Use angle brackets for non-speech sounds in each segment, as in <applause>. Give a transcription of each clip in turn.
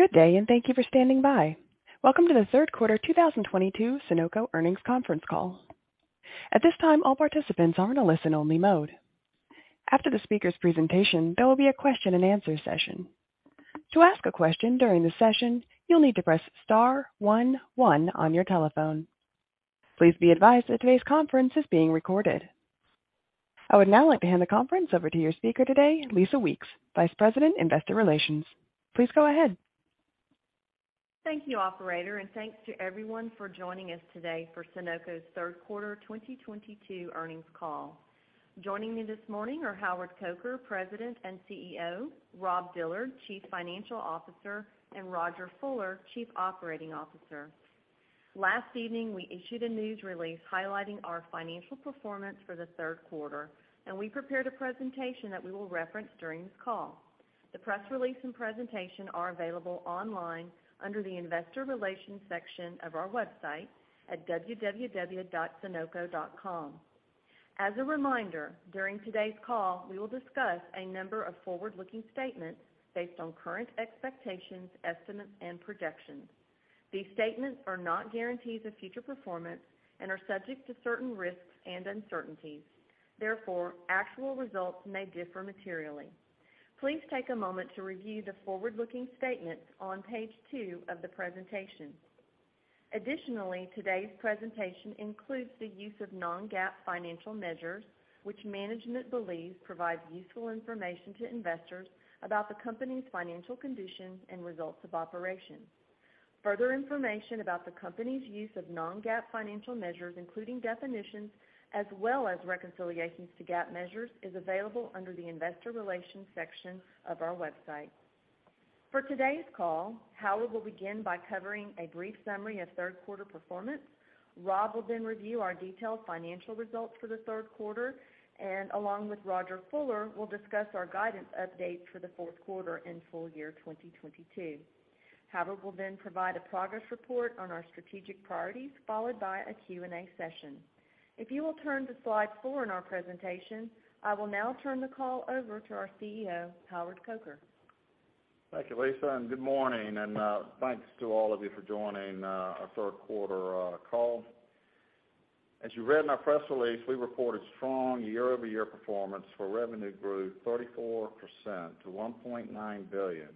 Good day, and thank you for standing by. Welcome to the Third Quarter 2022 Sonoco Earnings Conference Call. At this time, all participants are in a listen-only mode. After the speaker's presentation, there will be a question-and-answer session. To ask a question during the session, you'll need to press star one one on your telephone. Please be advised that today's conference is being recorded. I would now like to hand the conference over to your speaker today, Lisa Weeks, Vice President, Investor Relations. Please go ahead. Thank you, operator, and thanks to everyone for joining us today for Sonoco's Third Quarter 2022 Earnings Call. Joining me this morning are Howard Coker, President and CEO, Rob Dillard, Chief Financial Officer, and Rodger Fuller, Chief Operating Officer. Last evening, we issued a news release highlighting our financial performance for the third quarter, and we prepared a presentation that we will reference during this call. The press release and presentation are available online under the Investor Relations section of our website at www.sonoco.com. As a reminder, during today's call, we will discuss a number of forward-looking statements based on current expectations, estimates, and projections. These statements are not guarantees of future performance and are subject to certain risks and uncertainties. Therefore, actual results may differ materially. Please take a moment to review the forward-looking statements on page 2 of the presentation. Additionally, today's presentation includes the use of non-GAAP financial measures, which management believes provides useful information to investors about the company's financial condition and results of operations. Further information about the company's use of non-GAAP financial measures, including definitions as well as reconciliations to GAAP measures, is available under the Investor Relations section of our website. For today's call, Howard will begin by covering a brief summary of third quarter performance. Rob will then review our detailed financial results for the third quarter, and along with Rodger Fuller, will discuss our guidance update for the fourth quarter and full year 2022. Howard will then provide a progress report on our strategic priorities, followed by a Q&A session. If you will turn to slide 4 in our presentation, I will now turn the call over to our CEO, Howard Coker. Thank you, Lisa, and good morning, and thanks to all of you for joining our third quarter call. As you read in our press release, we reported strong year-over-year performance where revenue grew 34% to $1.9 billion,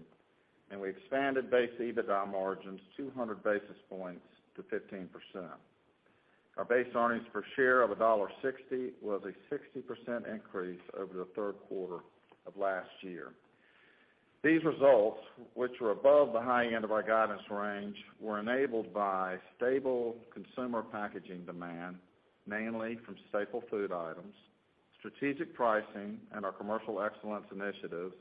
and we expanded base EBITDA margins 200 basis points to 15%. Our base earnings per share of $1.60 was a 60% increase over the third quarter of last year. These results, which were above the high end of our guidance range, were enabled by stable consumer packaging demand, mainly from staple food items, strategic pricing in our commercial excellence initiatives,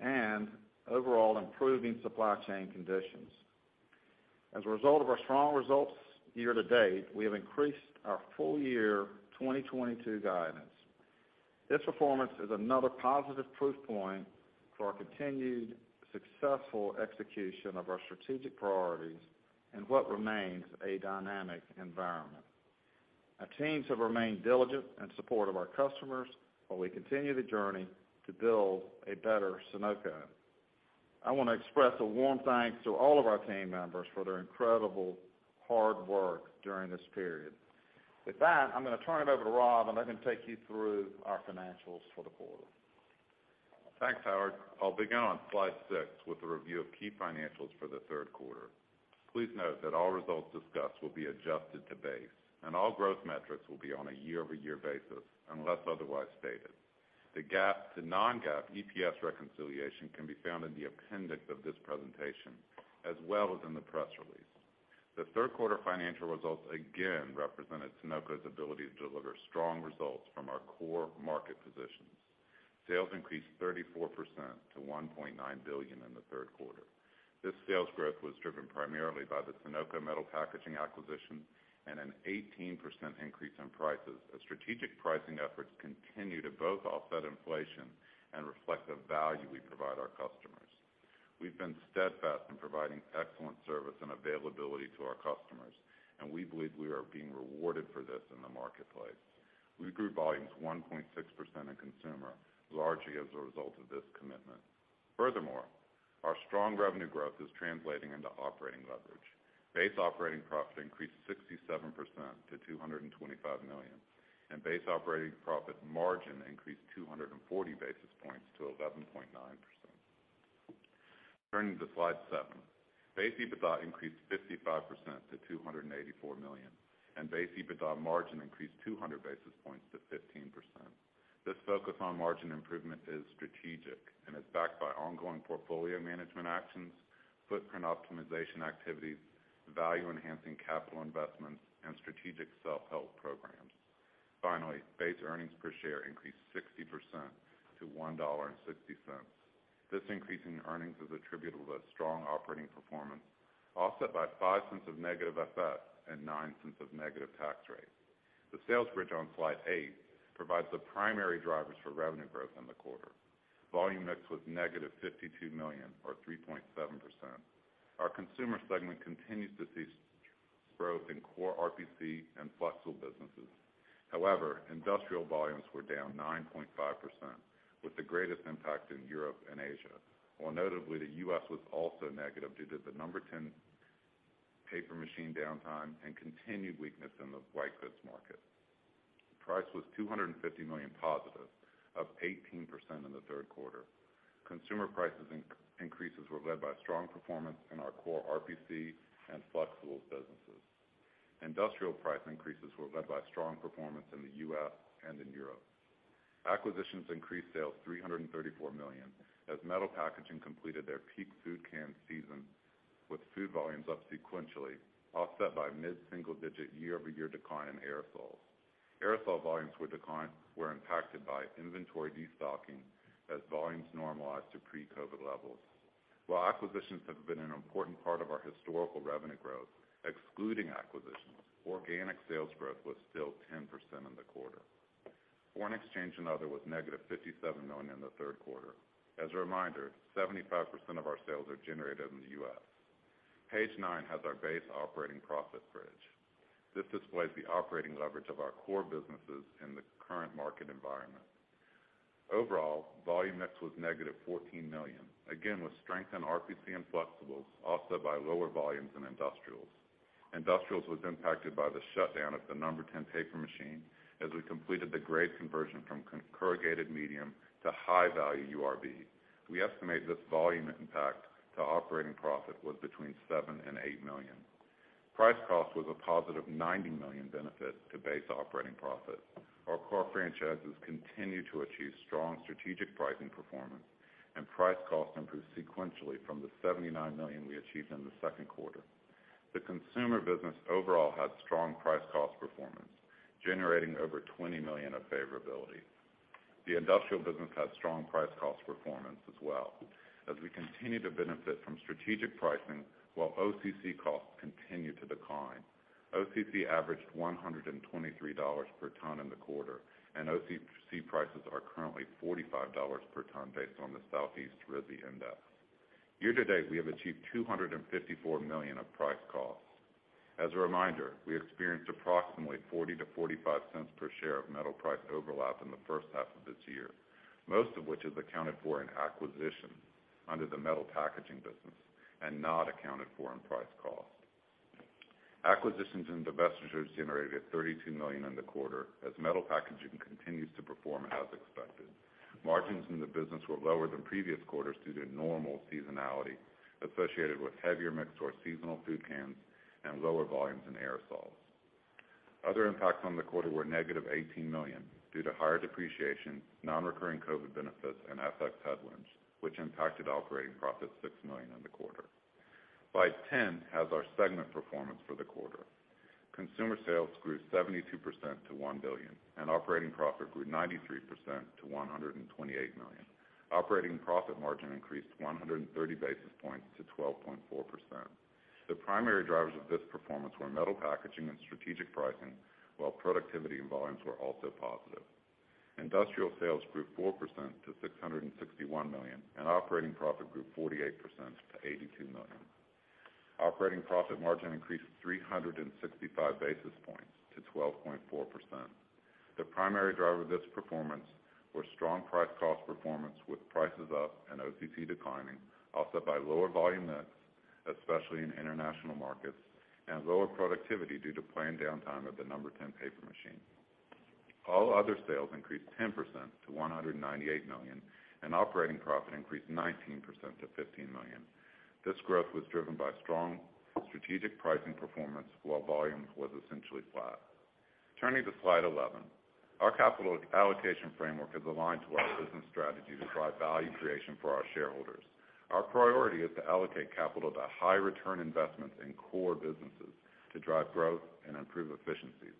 and overall improving supply chain conditions. As a result of our strong results year-to-date, we have increased our full-year 2022 guidance. This performance is another positive proof point for our continued successful execution of our strategic priorities in what remains a dynamic environment. Our teams have remained diligent in support of our customers while we continue the journey to build a better Sonoco. I wanna express a warm thanks to all of our team members for their incredible hard work during this period. With that, I'm gonna turn it over to Rob and let him take you through our financials for the quarter. Thanks, Howard. I'll begin on slide 6 with a review of key financials for the third quarter. Please note that all results discussed will be adjusted to base, and all growth metrics will be on a year-over-year basis unless otherwise stated. The GAAP to non-GAAP EPS reconciliation can be found in the appendix of this presentation as well as in the press release. The third quarter financial results again represented Sonoco's ability to deliver strong results from our core market positions. Sales increased 34% to $1.9 billion in the third quarter. This sales growth was driven primarily by the Sonoco Metal Packaging acquisition and an 18% increase in prices as strategic pricing efforts continue to both offset inflation and reflect the value we provide our customers. We've been steadfast in providing excellent service and availability to our customers, and we believe we are being rewarded for this in the marketplace. We grew volumes 1.6% in consumer, largely as a result of this commitment. Furthermore, our strong revenue growth is translating into operating leverage. Base operating profit increased 67% to $225 million, and base operating profit margin increased 240 basis points to 11.9%. Turning to slide 7. Base EBITDA increased 55% to $284 million, and base EBITDA margin increased 200 basis points to 15%. This focus on margin improvement is strategic and is backed by ongoing portfolio management actions, footprint optimization activities, value-enhancing capital investments, and strategic self-help programs. Finally, base earnings per share increased 60% to $1.60. This increase in earnings is attributable to strong operating performance, offset by $0.05 of negative FX and $0.09 of negative tax rate. The sales bridge on slide 8 provides the primary drivers for revenue growth in the quarter. Volume mix was negative $52 million or 3.7%. Our consumer segment continues to see strong growth in core RPC and flexible businesses. However, industrial volumes were down 9.5%, with the greatest impact in Europe and Asia, while notably the U.S. was also negative due to the number 10 paper machine downtime and continued weakness in the white goods market. Price was $250 million positive, up 18% in the third quarter. Consumer price increases were led by strong performance in our core RPC and flexibles businesses. Industrial price increases were led by strong performance in the U.S. and in Europe. Acquisitions increased sales $334 million as metal packaging completed their peak food can season, with food volumes up sequentially, offset by mid-single-digit year-over-year decline in aerosols. Aerosol volumes were impacted by inventory destocking as volumes normalized to pre-COVID levels. Acquisitions have been an important part of our historical revenue growth. Excluding acquisitions, organic sales growth was still 10% in the quarter. Foreign exchange and other was negative $57 million in the third quarter. As a reminder, 75% of our sales are generated in the U.S. Page 9 has our base operating profit bridge. This displays the operating leverage of our core businesses in the current market environment. Overall, volume mix was negative $14 million, again with strength in RPC and flexibles offset by lower volumes in industrials. Industrials was impacted by the shutdown of the number 10 paper machine as we completed the grade conversion from containerboard corrugated medium to high-value URB. We estimate this volume impact to operating profit was between $7 million and $8 million. Price cost was a positive $90 million benefit to base operating profit. Our core franchises continue to achieve strong strategic pricing performance, and price cost improved sequentially from the $79 million we achieved in the second quarter. The consumer business overall had strong price cost performance, generating over $20 million of favorability. The industrial business had strong price cost performance as well as we continue to benefit from strategic pricing while OCC costs continue to decline. OCC averaged $123 per ton in the quarter, and OCC prices are currently $45 per ton based on the Southeast RISI Index. Year to date, we have achieved $254 million of price cost. As a reminder, we experienced approximately $0.40-$0.45 per share of metal price overlap in the first half of this year, most of which is accounted for in acquisitions under the Metal Packaging business and not accounted for in price cost. Acquisitions and divestitures generated $32 million in the quarter as Metal Packaging continues to perform as expected. Margins in the business were lower than previous quarters due to normal seasonality associated with heavier mix toward seasonal food cans and lower volumes in aerosols. Other impacts on the quarter were -$18 million due to higher depreciation, non-recurring COVID benefits, and FX hedge wins, which impacted operating profit $6 million in the quarter. Slide 10 has our segment performance for the quarter. Consumer sales grew 72% to $1 billion, and operating profit grew 93% to $128 million. Operating profit margin increased 130 basis points to 12.4%. The primary drivers of this performance were Metal Packaging and strategic pricing, while productivity and volumes were also positive. Industrial sales grew 4% to $661 million, and operating profit grew 48% to $82 million. Operating profit margin increased 365 basis points to 12.4%. The primary driver of this performance was strong price cost performance with prices up and OCC declining, offset by lower volume mix, especially in international markets, and lower productivity due to planned downtime at the number 10 paper machine. All other sales increased 10% to $198 million, and operating profit increased 19% to $15 million. This growth was driven by strong strategic pricing performance while volume was essentially flat. Turning to slide 11. Our capital allocation framework is aligned to our business strategy to drive value creation for our shareholders. Our priority is to allocate capital to high return investments in core businesses to drive growth and improve efficiencies.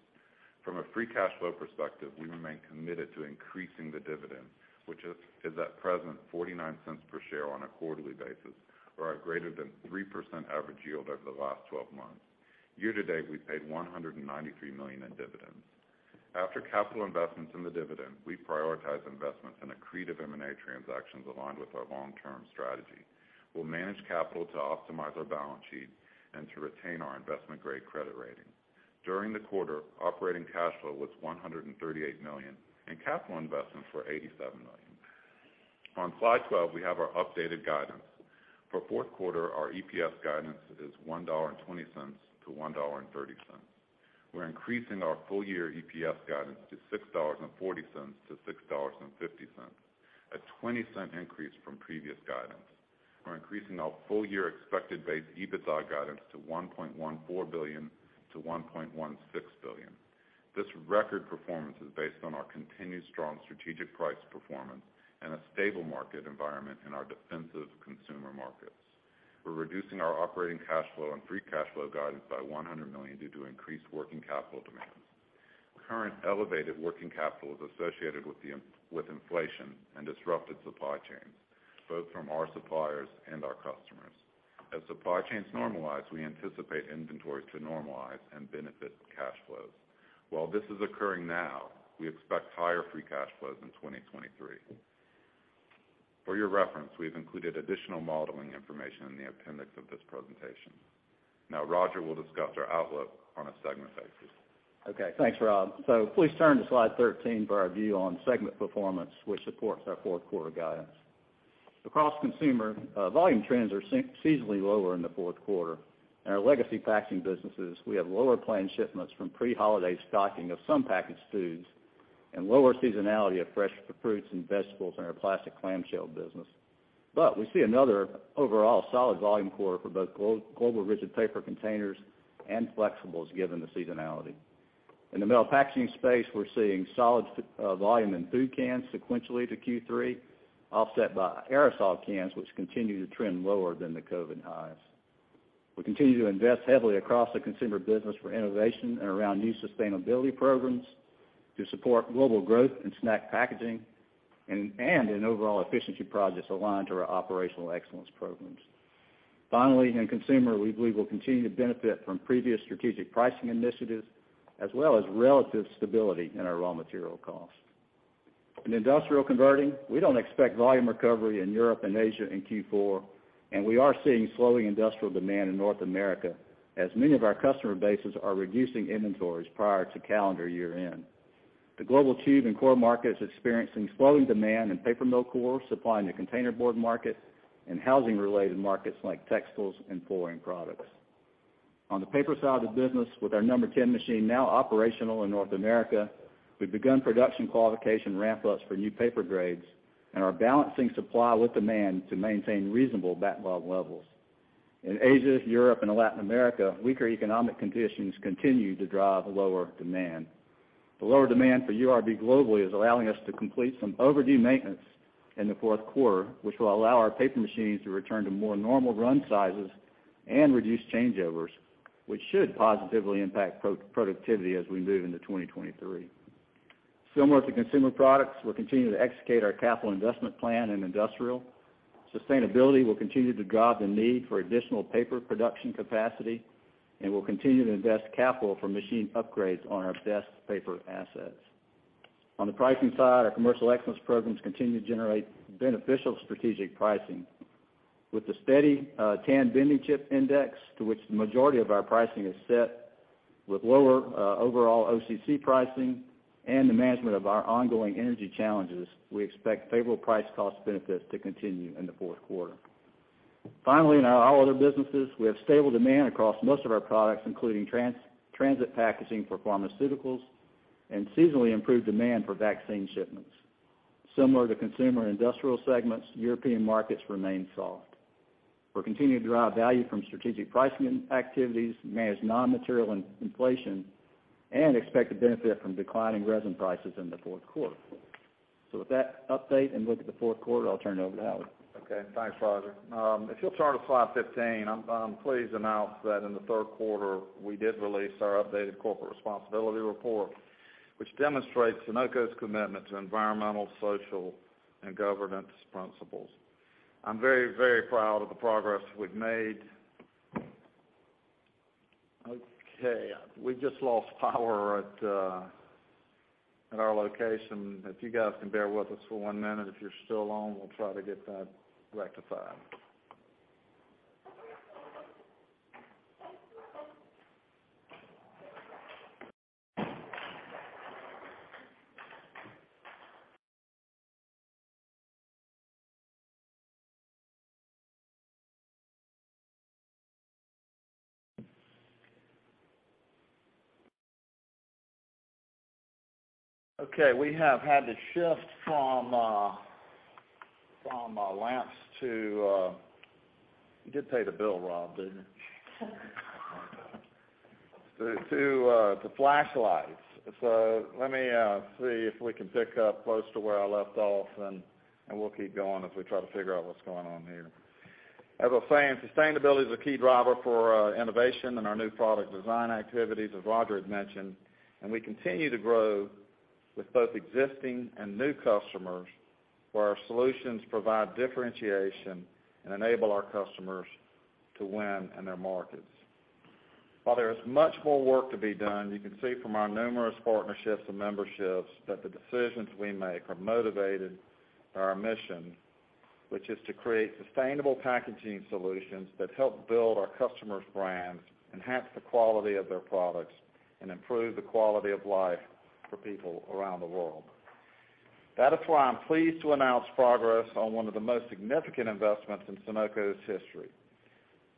From a free cash flow perspective, we remain committed to increasing the dividend, which is at present $0.49 per share on a quarterly basis or a greater than 3% average yield over the last 12 months. Year to date, we paid $193 million in dividends. After capital investments in the dividend, we prioritize investments in accretive M&A transactions aligned with our long-term strategy. We'll manage capital to optimize our balance sheet and to retain our investment-grade credit rating. During the quarter, operating cash flow was $138 million, and capital investments were $87 million. On slide 12, we have our updated guidance. For fourth quarter, our EPS guidance is $1.20-$1.30. We're increasing our full year EPS guidance to $6.40-$6.50, a $0.20 increase from previous guidance. We're increasing our full year expected base EBITDA guidance to $1.14 billion-$1.16 billion. This record performance is based on our continued strong strategic price performance and a stable market environment in our defensive consumer markets. We're reducing our operating cash flow and free cash flow guidance by $100 million due to increased working capital demands. Current elevated working capital is associated with inflation and disrupted supply chains, both from our suppliers and our customers. As supply chains normalize, we anticipate inventory to normalize and benefit cash flows. While this is occurring now, we expect higher free cash flows in 2023. For your reference, we've included additional modeling information in the appendix of this presentation. Now, Rodger will discuss our outlook on a segment basis. Okay. Thanks, Rob. Please turn to slide 13 for our view on segment performance, which supports our fourth quarter guidance. Across consumer, volume trends are seasonally lower in the fourth quarter. In our legacy packaging businesses, we have lower planned shipments from pre-holiday stocking of some packaged foods and lower seasonality of fresh fruits and vegetables in our plastic clamshell business. We see another overall solid volume quarter for both global Rigid Paper Containers and flexibles, given the seasonality. In the Metal Packaging space, we're seeing solid volume in food cans sequentially to Q3, offset by aerosol cans, which continue to trend lower than the COVID highs. We continue to invest heavily across the consumer business for innovation and around new sustainability programs to support global growth in snack packaging and in overall efficiency projects aligned to our operational excellence programs. Finally, in consumer, we believe we'll continue to benefit from previous strategic pricing initiatives, as well as relative stability in our raw material costs. In industrial converting, we don't expect volume recovery in Europe and Asia in Q4, and we are seeing slowing industrial demand in North America, as many of our customer bases are reducing inventories prior to calendar year-end. The global tube and core market is experiencing slowing demand in paper mill core, supplying the containerboard market, and housing-related markets like textiles and flooring products. On the paper side of the business, with our number 10 machine now operational in North America, we've begun production qualification ramp-ups for new paper grades and are balancing supply with demand to maintain reasonable backlog levels. In Asia, Europe, and Latin America, weaker economic conditions continue to drive lower demand. The lower demand for URB globally is allowing us to complete some overdue maintenance in the fourth quarter, which will allow our paper machines to return to more normal run sizes and reduce changeovers, which should positively impact pro-productivity as we move into 2023. Similar to consumer products, we're continuing to execute our capital investment plan in industrial. Sustainability will continue to drive the need for additional paper production capacity, and we'll continue to invest capital for machine upgrades on our best paper assets. On the pricing side, our commercial excellence programs continue to generate beneficial strategic pricing. With the steady Tan Bending Chip Index, to which the majority of our pricing is set, with lower overall OCC pricing, and the management of our ongoing energy challenges, we expect favorable price cost benefits to continue in the fourth quarter. Finally, in our all other businesses, we have stable demand across most of our products, including transit packaging for pharmaceuticals and seasonally improved demand for vaccine shipments. Similar to consumer and industrial segments, European markets remain soft. We're continuing to drive value from strategic pricing and activities, manage non-material inflation, and expect to benefit from declining resin prices in the fourth quarter. With that update and look at the fourth quarter, I'll turn it over to Howard. Okay. Thanks, Rodger. If you'll turn to slide 15, I'm pleased to announce that in the third quarter, we did release our updated corporate responsibility report, which demonstrates Sonoco's commitment to environmental, social, and governance principles. I'm very, very proud of the progress we've made. Okay, we just lost power at our location. If you guys can bear with us for one minute, if you're still on, we'll try to get that rectified. Okay, we have had to shift from lamps to flashlights. You did pay the bill, Rob, didn't you? Let me see if we can pick up close to where I left off, and we'll keep going as we try to figure out what's going on here. As I was saying, sustainability is a key driver for innovation in our new product design activities, as Rodger had mentioned, and we continue to grow with both existing and new customers, where our solutions provide differentiation and enable our customers to win in their markets. While there is much more work to be done, you can see from our numerous partnerships and memberships that the decisions we make are motivated by our mission, which is to create sustainable packaging solutions that help build our customers' brands, enhance the quality of their products, and improve the quality of life for people around the world. That is why I'm pleased to announce progress on one of the most significant investments in Sonoco's history.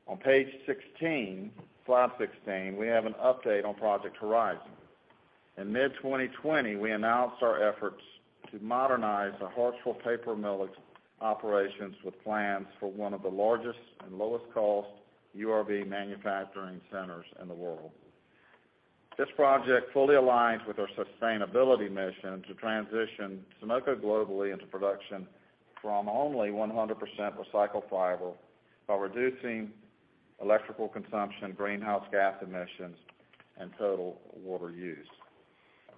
On page 16, slide 16, we have an update on Project Horizon. In mid-2020, we announced our efforts to modernize our Hartsville paper mill's operations with plans for one of the largest and lowest cost URB manufacturing centers in the world. This project fully aligns with our sustainability mission to transition Sonoco globally into production from only 100% recycled fiber while reducing electrical consumption, greenhouse gas emissions, and total water use.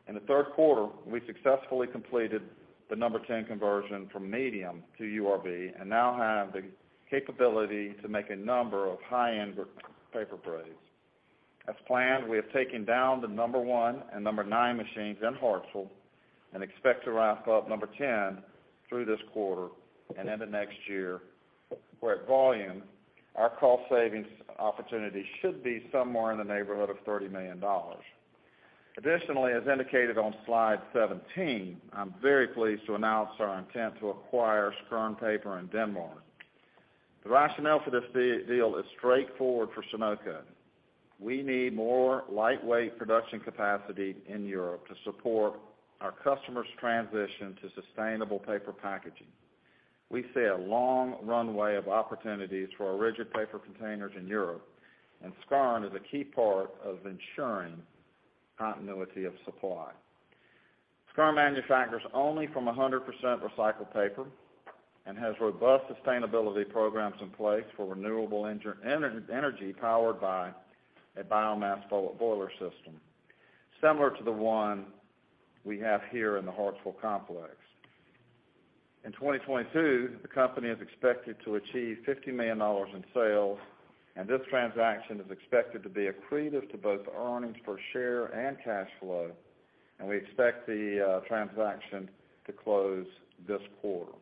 In the third quarter, we successfully completed the number 10 conversion from medium to URB, and now have the capability to make a number of high-end grey paper grades. As planned, we have taken down the number 1 and number 9 machines in Hartsville and expect to wrap up number 10 through this quarter and into next year, where at volume, our cost savings opportunity should be somewhere in the neighborhood of $30 million. Additionally, as indicated on slide 17, I'm very pleased to announce our intent to acquire Skjern Paper in Denmark. The rationale for this deal is straightforward for Sonoco. We need more lightweight production capacity in Europe to support our customers' transition to sustainable paper packaging. We see a long runway of opportunities for our rigid paper containers in Europe, and Skjern is a key part of ensuring continuity of supply. Skjern manufactures only from 100% recycled paper and has robust sustainability programs in place for renewable energy powered by a biomass boiler system, similar to the one we have here in the Hartsville complex. In 2022, the company is expected to achieve $50 million in sales, and this transaction is expected to be accretive to both earnings per share and cash flow, and we expect the transaction to close this quarter.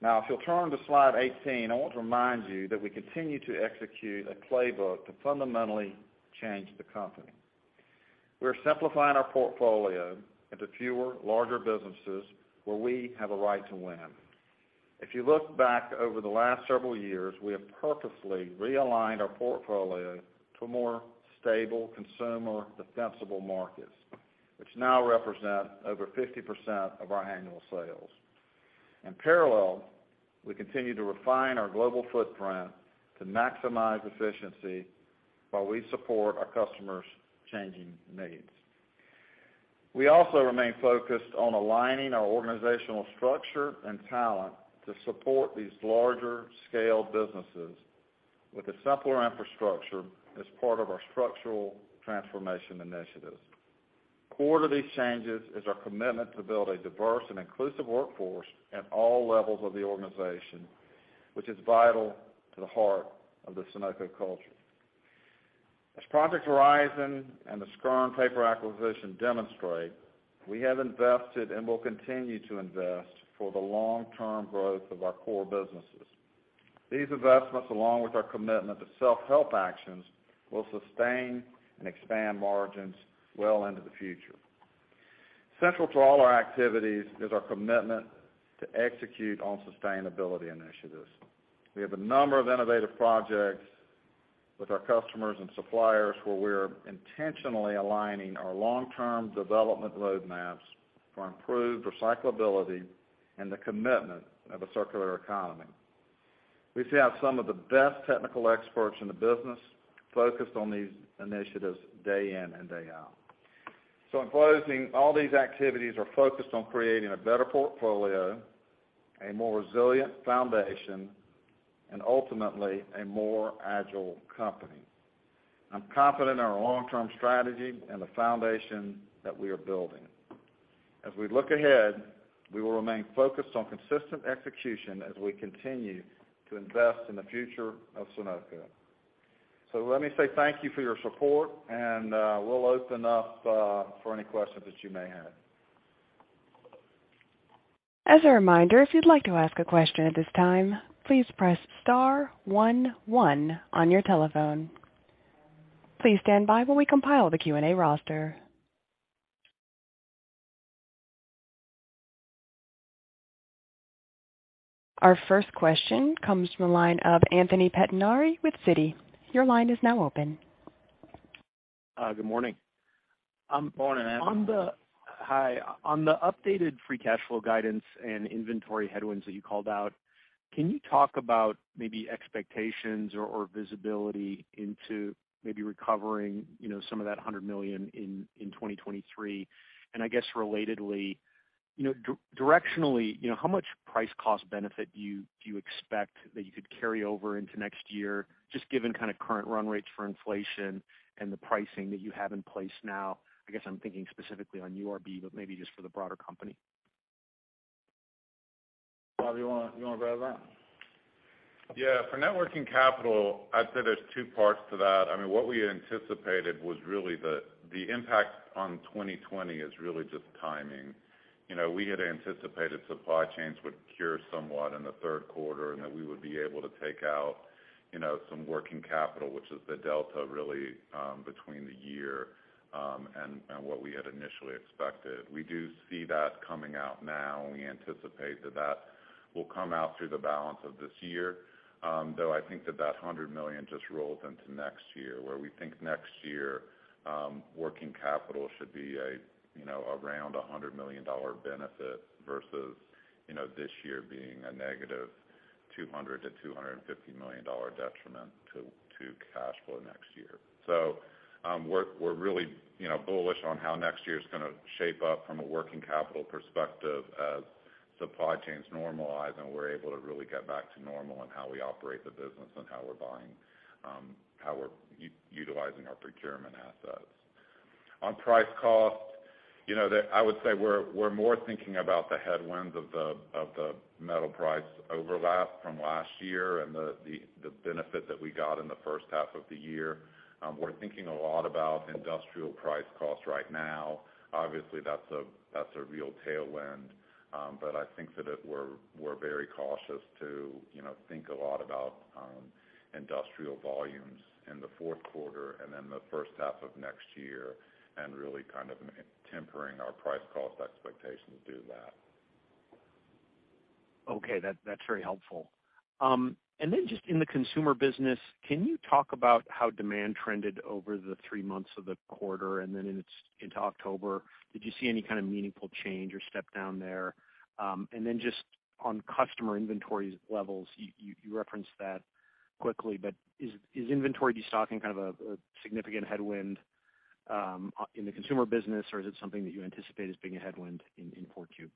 Now if you'll turn to slide 18, I want to remind you that we continue to execute a playbook to fundamentally change the company. We're simplifying our portfolio into fewer, larger businesses where we have a right to win. If you look back over the last several years, we have purposefully realigned our portfolio to a more stable consumer defensible markets, which now represent over 50% of our annual sales. In parallel, we continue to refine our global footprint to maximize efficiency while we support our customers' changing needs. We also remain focused on aligning our organizational structure and talent to support these larger scale businesses with a simpler infrastructure as part of our structural transformation initiatives. Core to these changes is our commitment to build a diverse and inclusive workforce at all levels of the organization, which is vital to the heart of the Sonoco culture. As Project Horizon and the Skjern Paper acquisition demonstrate, we have invested and will continue to invest for the long-term growth of our core businesses. These investments, along with our commitment to self-help actions, will sustain and expand margins well into the future. Central to all our activities is our commitment to execute on sustainability initiatives. We have a number of innovative projects with our customers and suppliers, where we're intentionally aligning our long-term development roadmaps for improved recyclability and the commitment of a circular economy. We have some of the best technical experts in the business focused on these initiatives day in and day out. In closing, all these activities are focused on creating a better portfolio, a more resilient foundation, and ultimately, a more agile company. I'm confident in our long-term strategy and the foundation that we are building. As we look ahead, we will remain focused on consistent execution as we continue to invest in the future of Sonoco. Let me say thank you for your support, and we'll open up for any questions that you may have. As a reminder, if you'd like to ask a question at this time, please press star one one on your telephone. Please stand by while we compile the Q&A roster. Our first question comes from the line of Anthony Pettinari with Citi. Your line is now open. Good morning. Morning, Anthony. Hi. On the updated free cash flow guidance and inventory headwinds that you called out, can you talk about maybe expectations or visibility into maybe recovering, you know, some of that $100 million in 2023? I guess relatedly, you know, directionally, you know, how much price cost benefit do you expect that you could carry over into next year, just given kinda current run rates for inflation and the pricing that you have in place now? I'm thinking specifically on URB, but maybe just for the broader company. Rob, you wanna grab that? Yeah. For net working capital, I'd say there's two parts to that. I mean, what we anticipated was really good. The impact on 2020 is really good timing. You know, we had anticipated supply chains would cure somewhat in the third quarter, and that we would be able to take out, you know, some working capital, which is the delta really, between the year and what we had initially expected. We do see that coming out now, and we anticipate that that will come out through the balance of this year. Though I think that $100 million just rolls into next year, where we think next year, working capital should be a, you know, around a $100 million benefit versus, you know, this year being a -$200 million-$250 million detriment to cash flow next year. We're really, you know, bullish on how next year's gonna shape up from a working capital perspective as supply chains normalize and we're able to really get back to normal in how we operate the business and how we're buying, how we're utilizing our procurement assets. On price cost, you know, I would say we're more thinking about the headwinds of the metal price overlap from last year and the benefit that we got in the first half of the year. We're thinking a lot about industrial price cost right now. Obviously, that's a real tailwind. I think we're very cautious to, you know, think a lot about industrial volumes in the fourth quarter and then the first half of next year, and really kind of tempering our price cost expectations due to that. Okay. That's very helpful. Just in the consumer business, can you talk about how demand trended over the three months of the quarter and then into October? Did you see any kind of meaningful change or step down there? Just on customer inventory levels, you referenced that quickly, but is inventory de-stocking kind of a significant headwind in the consumer business, or is it something that you anticipate as being a headwind in 4Q?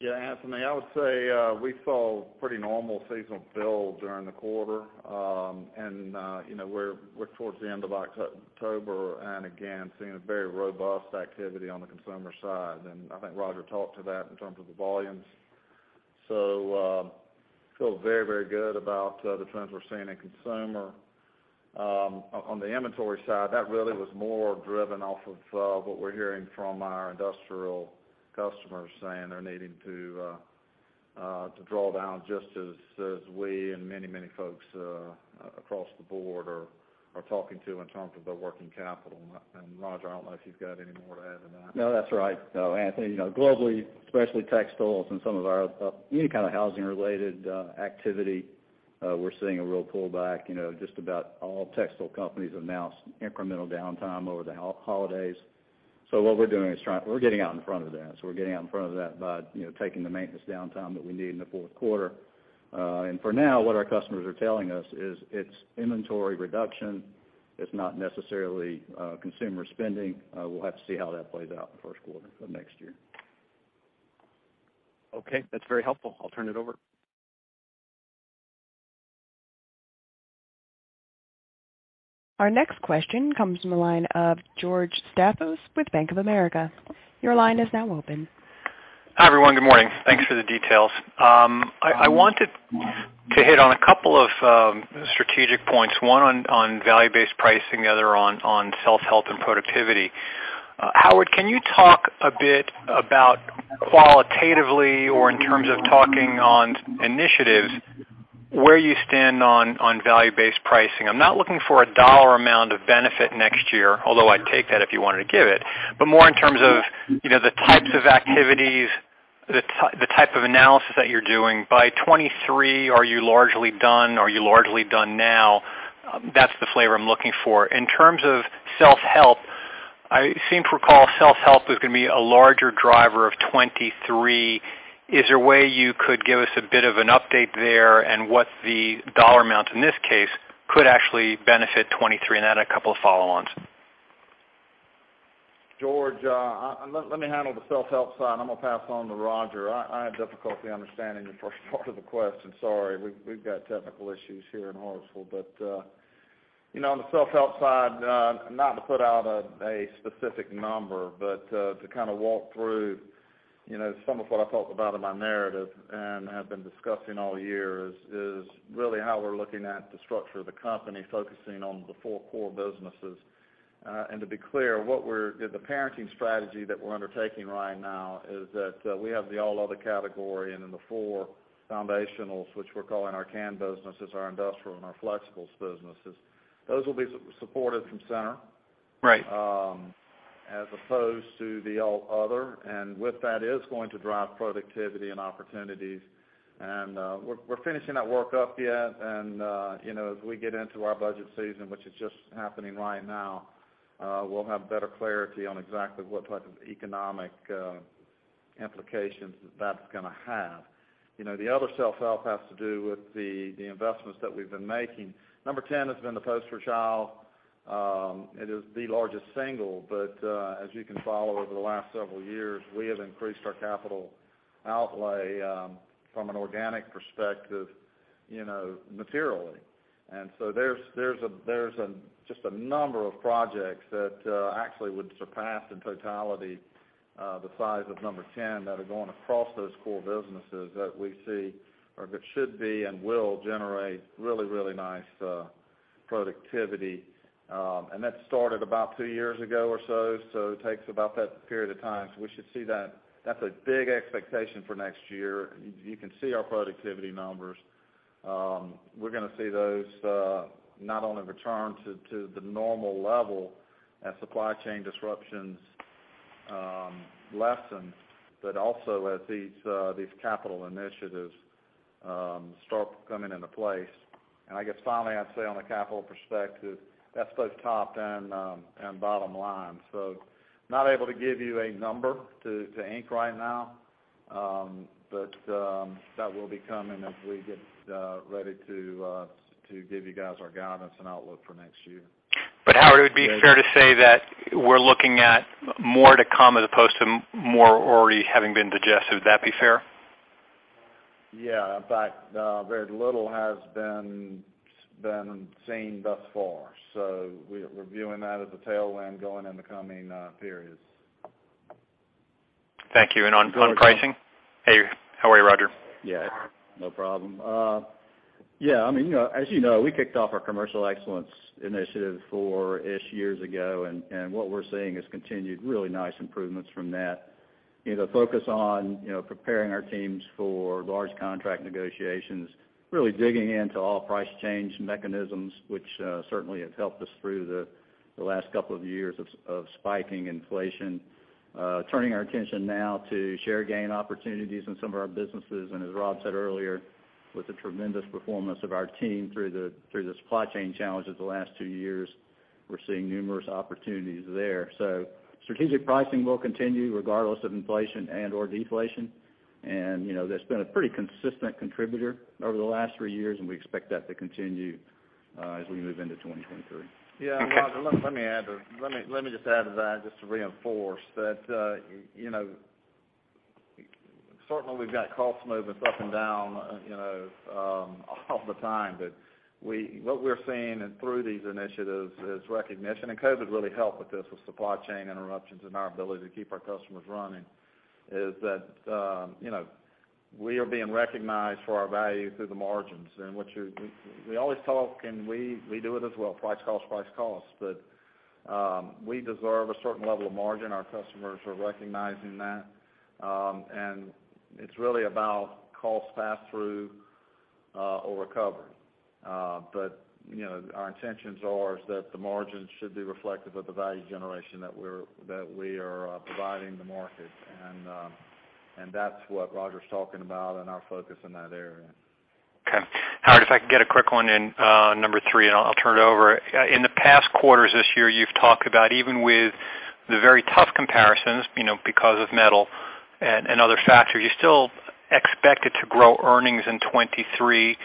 Yeah, Anthony, I would say we saw pretty normal seasonal build during the quarter. You know, we're towards the end of October, and again, seeing a very robust activity on the consumer side. I think Rodger talked to that in terms of the volumes. Feel very, very good about the trends we're seeing in consumer. On the inventory side, that really was more driven off of what we're hearing from our industrial customers saying they're needing to draw down just as we and many, many folks across the board are talking to in terms of their working capital. Rodger, I don't know if you've got any more to add to that. No, that's right. No, Anthony, you know, globally, especially textiles and some of our, any kind of housing related, activity, we're seeing a real pullback. You know, just about all textile companies announced incremental downtime over the holidays. What we're doing is getting out in front of that by, you know, taking the maintenance downtime that we need in the fourth quarter. For now, what our customers are telling us is it's inventory reduction. It's not necessarily consumer spending. We'll have to see how that plays out in the first quarter of next year. Okay, that's very helpful. I'll turn it over. Our next question comes from the line of George Staphos with Bank of America. Your line is now open. Hi, everyone. Good morning. Thanks for the details. I wanted to hit on a couple of strategic points, one on value-based pricing, the other on self-help and productivity. Howard, can you talk a bit about qualitatively or in terms of talking about initiatives, where you stand on value-based pricing? I'm not looking for a dollar amount of benefit next year, although I'd take that if you wanted to give it, but more in terms of, you know, the types of activities, the type of analysis that you're doing. By 2023, are you largely done? Are you largely done now? That's the flavor I'm looking for. In terms of self-help, I seem to recall self-help is gonna be a larger driver of 2023. Is there a way you could give us a bit of an update there and what the dollar amount in this case could actually benefit 2023? A couple of follow-ons. George, let me handle the self-help side, and I'm gonna pass on to Rodger. I have difficulty understanding the first part of the question. Sorry. We've got technical issues here in Hartsville. You know, on the self-help side, not to put out a specific number, but, to kind of walk through, you know, some of what I talked about in my narrative and have been discussing all year is really how we're looking at the structure of the company, focusing on the four core businesses. To be clear, the parenting strategy that we're undertaking right now is that, we have the all other category and then the four foundationals, which we're calling our can businesses, our industrial and our flexibles businesses. Those will be supported from center. Right. As opposed to all other. With that is going to drive productivity and opportunities. We're finishing that work up yet. You know, as we get into our budget season, which is just happening right now, we'll have better clarity on exactly what type of economic implications that that's gonna have. You know, the other self-help has to do with the investments that we've been making. Number 10 has been the poster child. It is the largest single, but as you can follow over the last several years, we have increased our capital outlay from an organic perspective, you know, materially. There's just a number of projects that actually would surpass in totality the size of number 10 that are going across those core businesses that we see or that should be and will generate really nice productivity. That started about two years ago or so it takes about that period of time. We should see that. That's a big expectation for next year. You can see our productivity numbers. We're gonna see those not only return to the normal level as supply chain disruptions lessen, but also as these capital initiatives start coming into place. I guess finally, I'd say on the capital perspective, that's both top and bottom line. Not able to give you a number to ink right now, but that will be coming as we get ready to give you guys our guidance and outlook for next year. Howard, would it be fair to say that we're looking at more to come as opposed to more already having been digested? Would that be fair? Yeah. In fact, very little has been seen thus far. We're viewing that as a tailwind going in the coming periods. Thank you. On pricing. <crosstalk> Hey, how are you, Rodger? Yeah. No problem. Yeah, I mean, you know, as you know, we kicked off our commercial excellence initiative four-ish years ago. What we're seeing is continued really nice improvements from that. You know, focus on, you know, preparing our teams for large contract negotiations, really digging into all price change mechanisms, which certainly have helped us through the last couple of years of spiking inflation. Turning our attention now to share gain opportunities in some of our businesses. As Rob said earlier, with the tremendous performance of our team through the supply chain challenges the last two years, we're seeing numerous opportunities there. Strategic pricing will continue regardless of inflation and/or deflation. You know, that's been a pretty consistent contributor over the last three years, and we expect that to continue as we move into 2023. Yeah, Rodger, let me just add to that to reinforce that, you know, certainly we've got costs moving up and down, you know, all the time. What we're seeing and through these initiatives is recognition. COVID really helped with this, with supply chain interruptions and our ability to keep our customers running, is that you know, we are being recognized for our value through the margins. We always talk, and we do it as well, price, cost, price, cost. But we deserve a certain level of margin. Our customers are recognizing that. It's really about cost pass-through, or recovery. You know, our intentions are that the margins should be reflective of the value generation that we are providing the market. That's what Rodger’s talking about and our focus in that area. Okay. Howard, if I can get a quick one in, number 3, and I'll turn it over. In the past quarters this year, you've talked about even with the very tough comparisons, you know, because of metal and other factors, you still expected to grow earnings in 2023.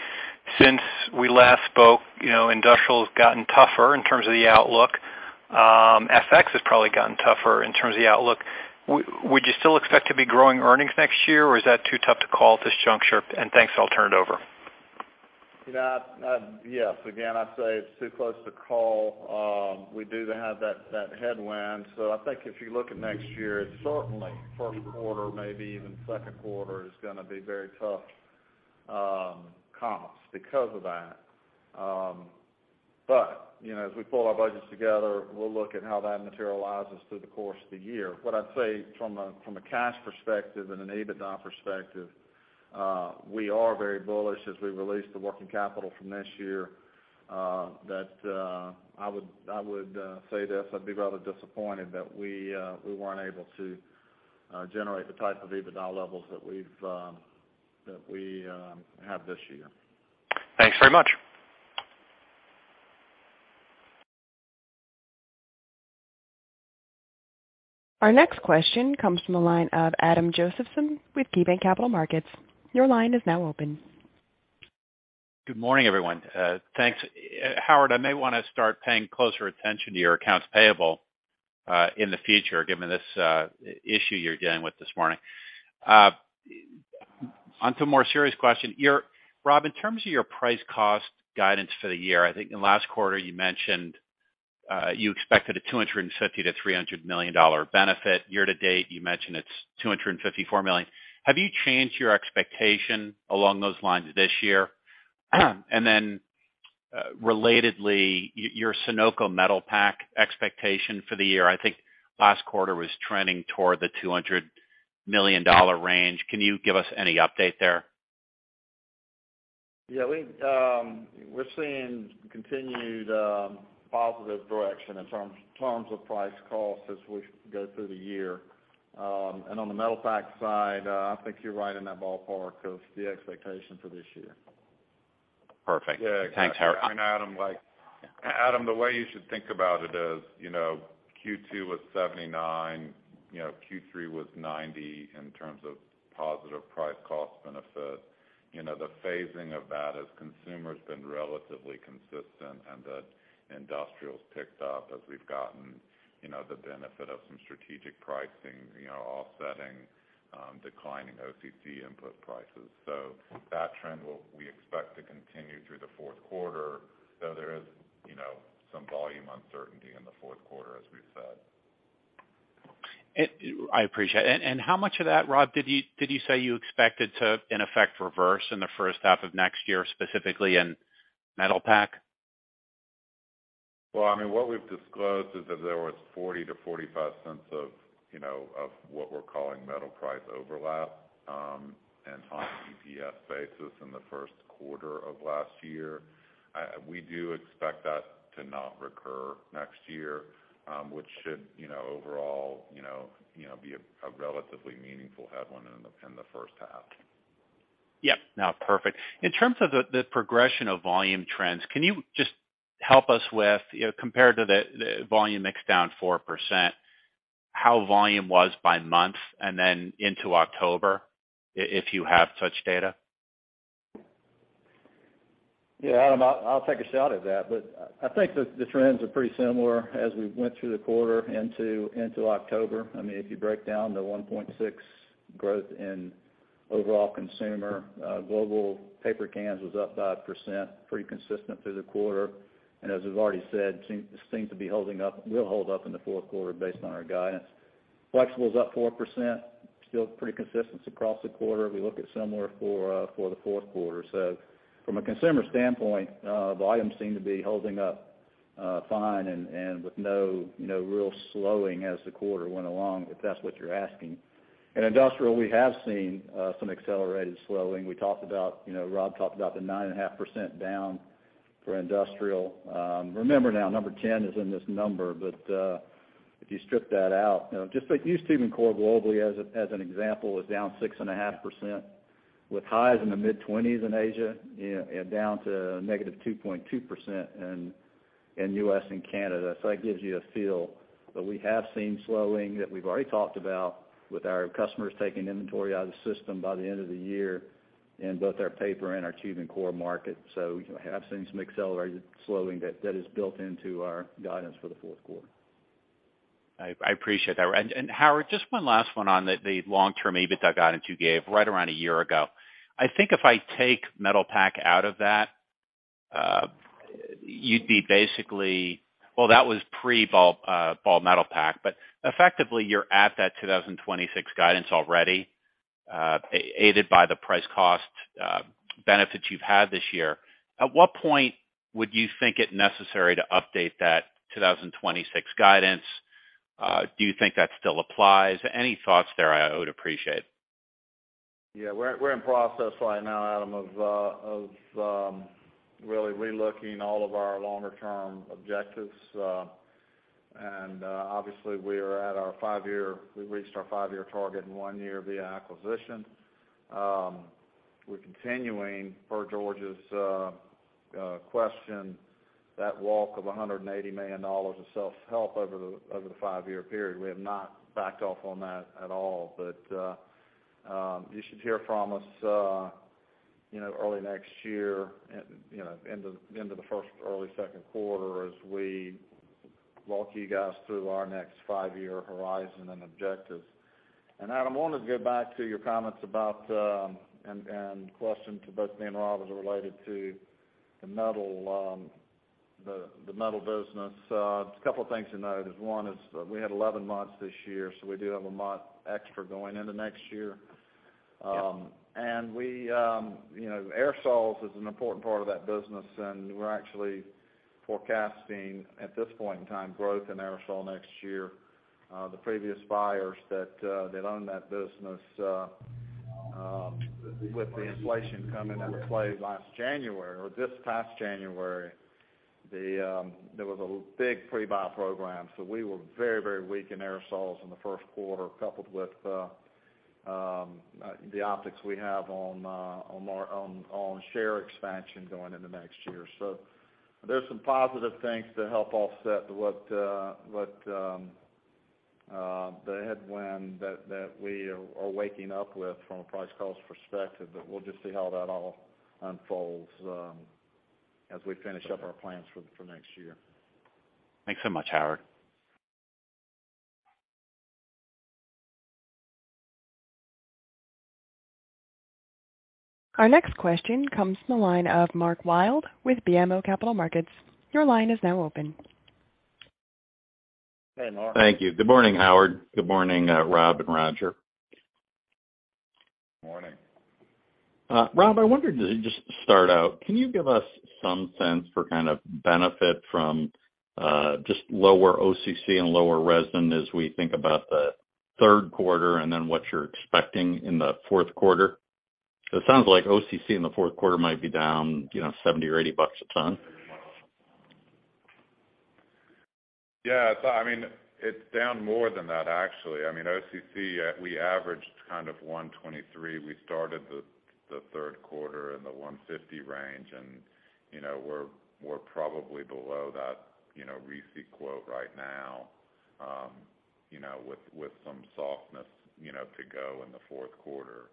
Since we last spoke, you know, industrial's gotten tougher in terms of the outlook. FX has probably gotten tougher in terms of the outlook. Would you still expect to be growing earnings next year, or is that too tough to call at this juncture? Thanks, I'll turn it over. You know, Yes. Again, I'd say it's too close to call. We do have that headwind. I think if you look at next year, certainly first quarter, maybe even second quarter is gonna be very tough, comps because of that. You know, as we pull our budgets together, we'll look at how that materializes through the course of the year. What I'd say from a cash perspective and an EBITDA perspective, we are very bullish as we release the working capital from this year, that I would say this, I'd be rather disappointed that we weren't able to generate the type of EBITDA levels that we have this year. Thanks very much. Our next question comes from the line of Adam Josephson with KeyBanc Capital Markets. Your line is now open. Good morning, everyone. Thanks. Howard, I may wanna start paying closer attention to your accounts payable in the future, given this issue you're dealing with this morning. On to a more serious question. Rob, in terms of your price cost guidance for the year, I think in last quarter you mentioned you expected a $250 million-$300 million benefit. Year to date, you mentioned it's $254 million. Have you changed your expectation along those lines this year? Then, relatedly, your Sonoco Metal Packaging expectation for the year, I think last quarter was trending toward the $200 million range. Can you give us any update there? Yeah. We're seeing continued positive direction in terms of price cost as we go through the year. On the Metal Packaging side, I think you're right in that ballpark of the expectation for this year. Perfect. Yeah. Thanks, Howard. Adam, like Yeah. Adam, the way you should think about it is, you know, Q2 was $79, you know, Q3 was $90 in terms of positive price cost benefit. You know, the phasing of that as consumer has been relatively consistent and that industrials picked up as we've gotten, you know, the benefit of some strategic pricing, you know, offsetting declining OCC input prices. That trend, we expect, will continue through the fourth quarter, though there is, you know, some volume uncertainty in the fourth quarter, as we've said. I appreciate. How much of that, Rob, did you say you expected to in effect reverse in the first half of next year, specifically in Metalpack? Well, I mean, what we've disclosed is that there was $0.40-$0.45 of, you know, of what we're calling metal price overlap, and on an EPS basis in the first quarter of last year. We do expect that to not recur next year, which should, you know, overall, be a relatively meaningful headwind in the first half. Yep. No, perfect. In terms of the progression of volume trends, can you just help us with, you know, compared to the volume mix down 4%, how volume was by month and then into October, if you have such data? Yeah, Adam, I'll take a shot at that. I think that the trends are pretty similar as we went through the quarter into October. I mean, if you break down the 1.6% growth in overall consumer global paper cans was up 5%, pretty consistent through the quarter. As we've already said, this seems to be holding up, will hold up in the fourth quarter based on our guidance. Flexible is up 4%, still pretty consistent across the quarter. We look at similar for the fourth quarter. From a consumer standpoint, volumes seem to be holding up fine and with no, you know, real slowing as the quarter went along, if that's what you're asking. In industrial, we have seen some accelerated slowing. We talked about, you know, Rob talked about the 9.5% down for industrial. Remember now, number 10 is in this number. If you strip that out, you know, just take tube and core globally as an example, is down 6.5%, with highs in the mid-20s in Asia and down to -2.2% in U.S. and Canada. That gives you a feel. We have seen slowing that we've already talked about with our customers taking inventory out of the system by the end of the year in both our paper and our tube and core market. We have seen some accelerated slowing that is built into our guidance for the fourth quarter. I appreciate that. Howard, just one last one on the long-term EBITDA guidance you gave right around a year ago. I think if I take Metalpack out of that, you'd be basically. Well, that was pre-Ball Metalpack, but effectively, you're at that 2026 guidance already, aided by the price-cost benefits you've had this year. At what point would you think it necessary to update that 2026 guidance? Do you think that still applies? Any thoughts there, I would appreciate. Yeah, we're in process right now, Adam, of really relooking all of our longer term objectives. Obviously we've reached our five-year target in one year via acquisition. We're continuing per George's question, that walk of $180 million of self-help over the five-year period. We have not backed off on that at all. You should hear from us, you know, early next year and, you know, end of the first or early second quarter as we walk you guys through our next five-year horizon and objectives. Adam, I wanna go back to your comments about and question to both me and Rob as it related to the metal business. There's a couple things to note. One is we had 11 months this year, so we do have a month extra going into next year. You know, aerosols is an important part of that business, and we're actually forecasting, at this point in time, growth in aerosol next year. The previous buyers that owned that business, with the inflation coming into play last January or this past January, there was a big pre-buy program. We were very weak in aerosols in the first quarter, coupled with the optics we have on share expansion going into next year. There's some positive things to help offset what the headwind that we are waking up with from a price cost perspective. We'll just see how that all unfolds as we finish up our plans for next year. Thanks so much, Howard. Our next question comes from the line of Mark Wilde with BMO Capital Markets. Your line is now open. Hey, Mark. Thank you. Good morning, Howard. Good morning, Rob and Rodger. Morning. Rob, I wonder, just to start out, can you give us some sense for kind of benefit from just lower OCC and lower resin as we think about the third quarter and then what you're expecting in the fourth quarter? It sounds like OCC in the fourth quarter might be down, you know, $70-$80 a ton. Yeah. I mean, it's down more than that, actually. I mean, OCC, we averaged kind of $123. We started the third quarter in the $150 range. You know, we're probably below that, you know, RISI quote right now, you know, with some softness, you know, to go in the fourth quarter.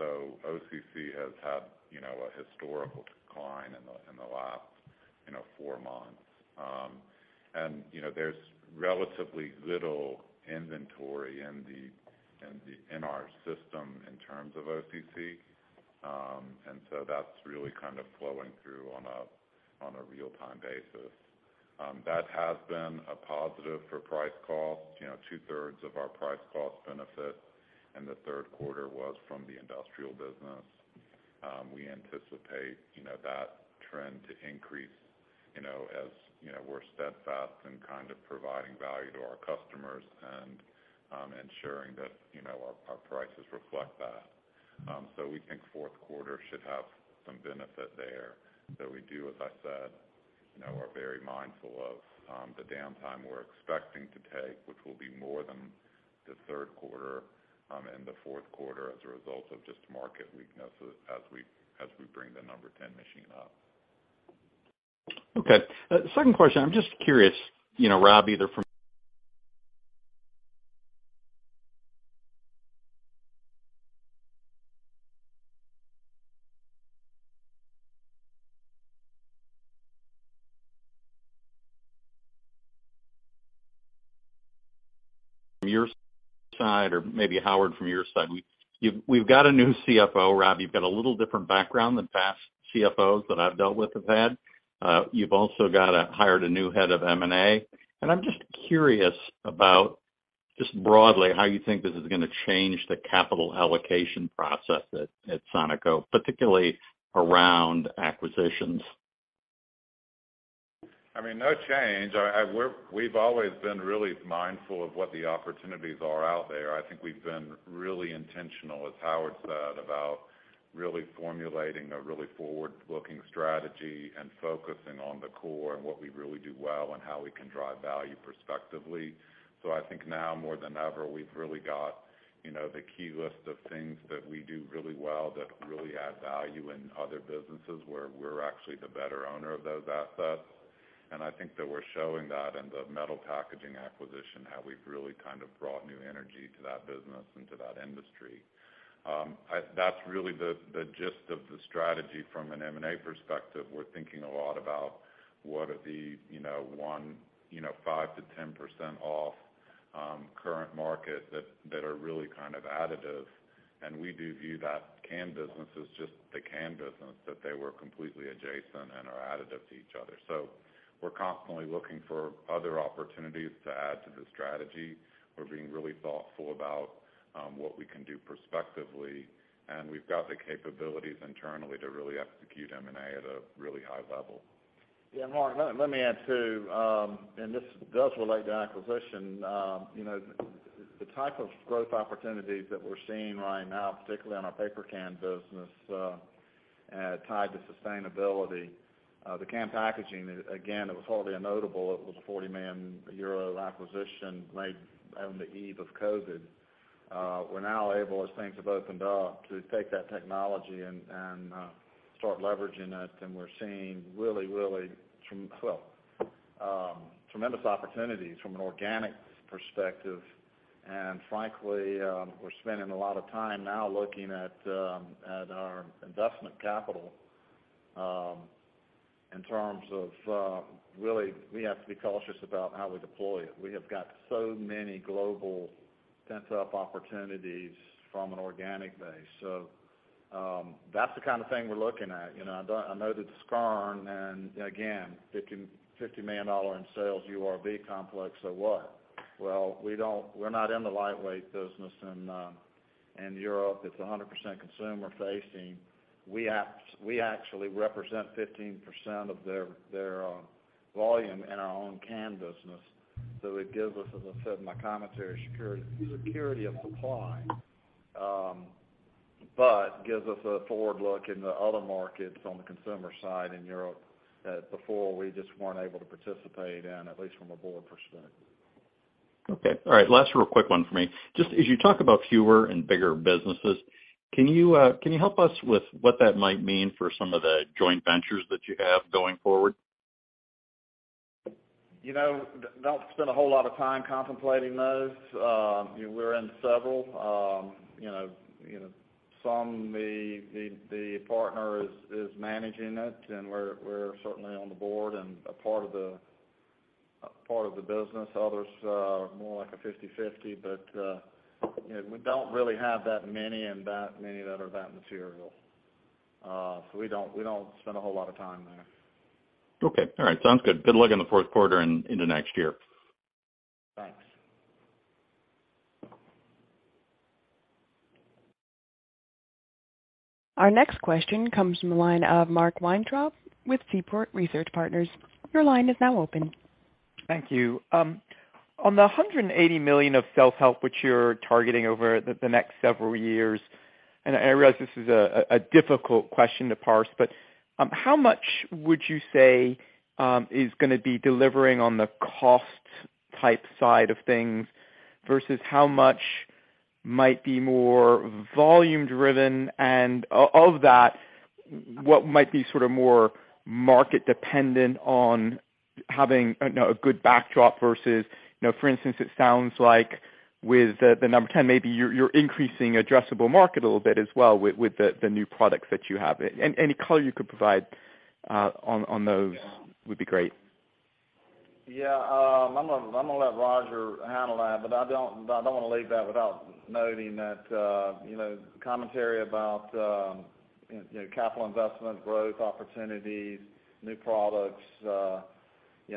OCC has had, you know, a historical decline in the last, you know, four months. You know, there's relatively little inventory in our system in terms of OCC. That's really kind of flowing through on a real-time basis. That has been a positive for price cost. You know, two-thirds of our price cost benefit in the third quarter was from the industrial business. We anticipate, you know, that trend to increase, you know, as, you know, we're steadfast in kind of providing value to our customers and, ensuring that, you know, our prices reflect that. We think fourth quarter should have some benefit there. We do, as I said, you know, are very mindful of the downtime we're expecting to take, which will be more than the third quarter and in the fourth quarter as a result of just market weakness as we bring the number 10 machine up. Okay. Second question, I'm just curious, you know, Rob, either from your side, or maybe Howard, from your side, we've got a new CFO, Rob. You've got a little different background than past CFOs that I've dealt with have had. You've also hired a new head of M&A. I'm just curious about, just broadly, how you think this is gonna change the capital allocation process at Sonoco, particularly around acquisitions. I mean, no change. We've always been really mindful of what the opportunities are out there. I think we've been really intentional, as Howard said, about really formulating a really forward-looking strategy and focusing on the core and what we really do well, and how we can drive value prospectively. I think now more than ever, we've really got, you know, the key list of things that we do really well that really add value in other businesses, where we're actually the better owner of those assets. I think that we're showing that in the Metal Packaging acquisition, how we've really kind of brought new energy to that business and to that industry. That's really the gist of the strategy from an M&A perspective. We're thinking a lot about what are the one, 5%-10% off current market that are really kind of additive. We do view that can business as just the can business, that they were completely adjacent and are additive to each other. We're constantly looking for other opportunities to add to the strategy. We're being really thoughtful about what we can do prospectively, and we've got the capabilities internally to really execute M&A at a really high level. Yeah, Mark, let me add, too. This does relate to acquisition. You know, the type of growth opportunities that we're seeing right now, particularly in our paper can business, tied to sustainability. The Can Packaging, again, it was hardly a notable. It was a 40 million euro acquisition made on the eve of COVID. We're now able, as things have opened up, to take that technology and start leveraging it. We're seeing really tremendous opportunities from an organic perspective. Frankly, we're spending a lot of time now looking at our investment capital in terms of really we have to be cautious about how we deploy it. We have got so many global pent-up opportunities from an organic base. That's the kind of thing we're looking at. You know, I know the Skjern, and again, $50 million in sales of the complex, so what? Well, we're not in the lightweight business in Europe. It's 100% consumer-facing. We actually represent 15% of their volume in our own can business. So it gives us, as I said in my commentary, security of supply. But it gives us a forward look into other markets on the consumer side in Europe before we just weren't able to participate in, at least from a board perspective. Okay. All right. Last real quick one for me. Just as you talk about fewer and bigger businesses, can you help us with what that might mean for some of the joint ventures that you have going forward? You know, don't spend a whole lot of time contemplating those. We're in several, you know, some the partner is managing it, and we're certainly on the board and a part of the business. Others are more like a 50-50. You know, we don't really have that many that are that material. We don't spend a whole lot of time there. Okay. All right. Sounds good. Good luck in the fourth quarter and into next year. Thanks. Our next question comes from the line of Mark Weintraub with Seaport Research Partners. Your line is now open. Thank you. On the $180 million of self-help, which you're targeting over the next several years, and I realize this is a difficult question to parse. How much would you say is gonna be delivering on the cost type side of things versus how much might be more volume driven? And of that, what might be sort of more market dependent on having a good backdrop versus, you know, for instance, it sounds like with the number 10, maybe you're increasing addressable market a little bit as well with the new products that you have. Any color you could provide on those would be great. Yeah. I'm gonna let Rodger handle that, but I don't wanna leave that without noting that you know commentary about you know capital investment, growth opportunities, new products you know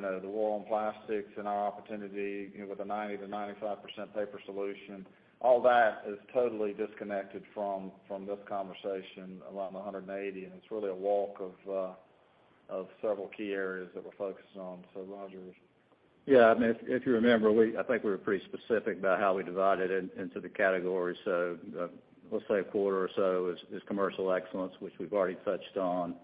the war on plastics and our opportunity you know with a 90%-95% paper solution. All that is totally disconnected from this conversation around the $180. It's really a walk of several key areas that we're focusing on. Rodger. Yeah. I mean, if you remember, I think we were pretty specific about how we divided it into the categories. Let's say a quarter or so is commercial excellence, which we've already touched on.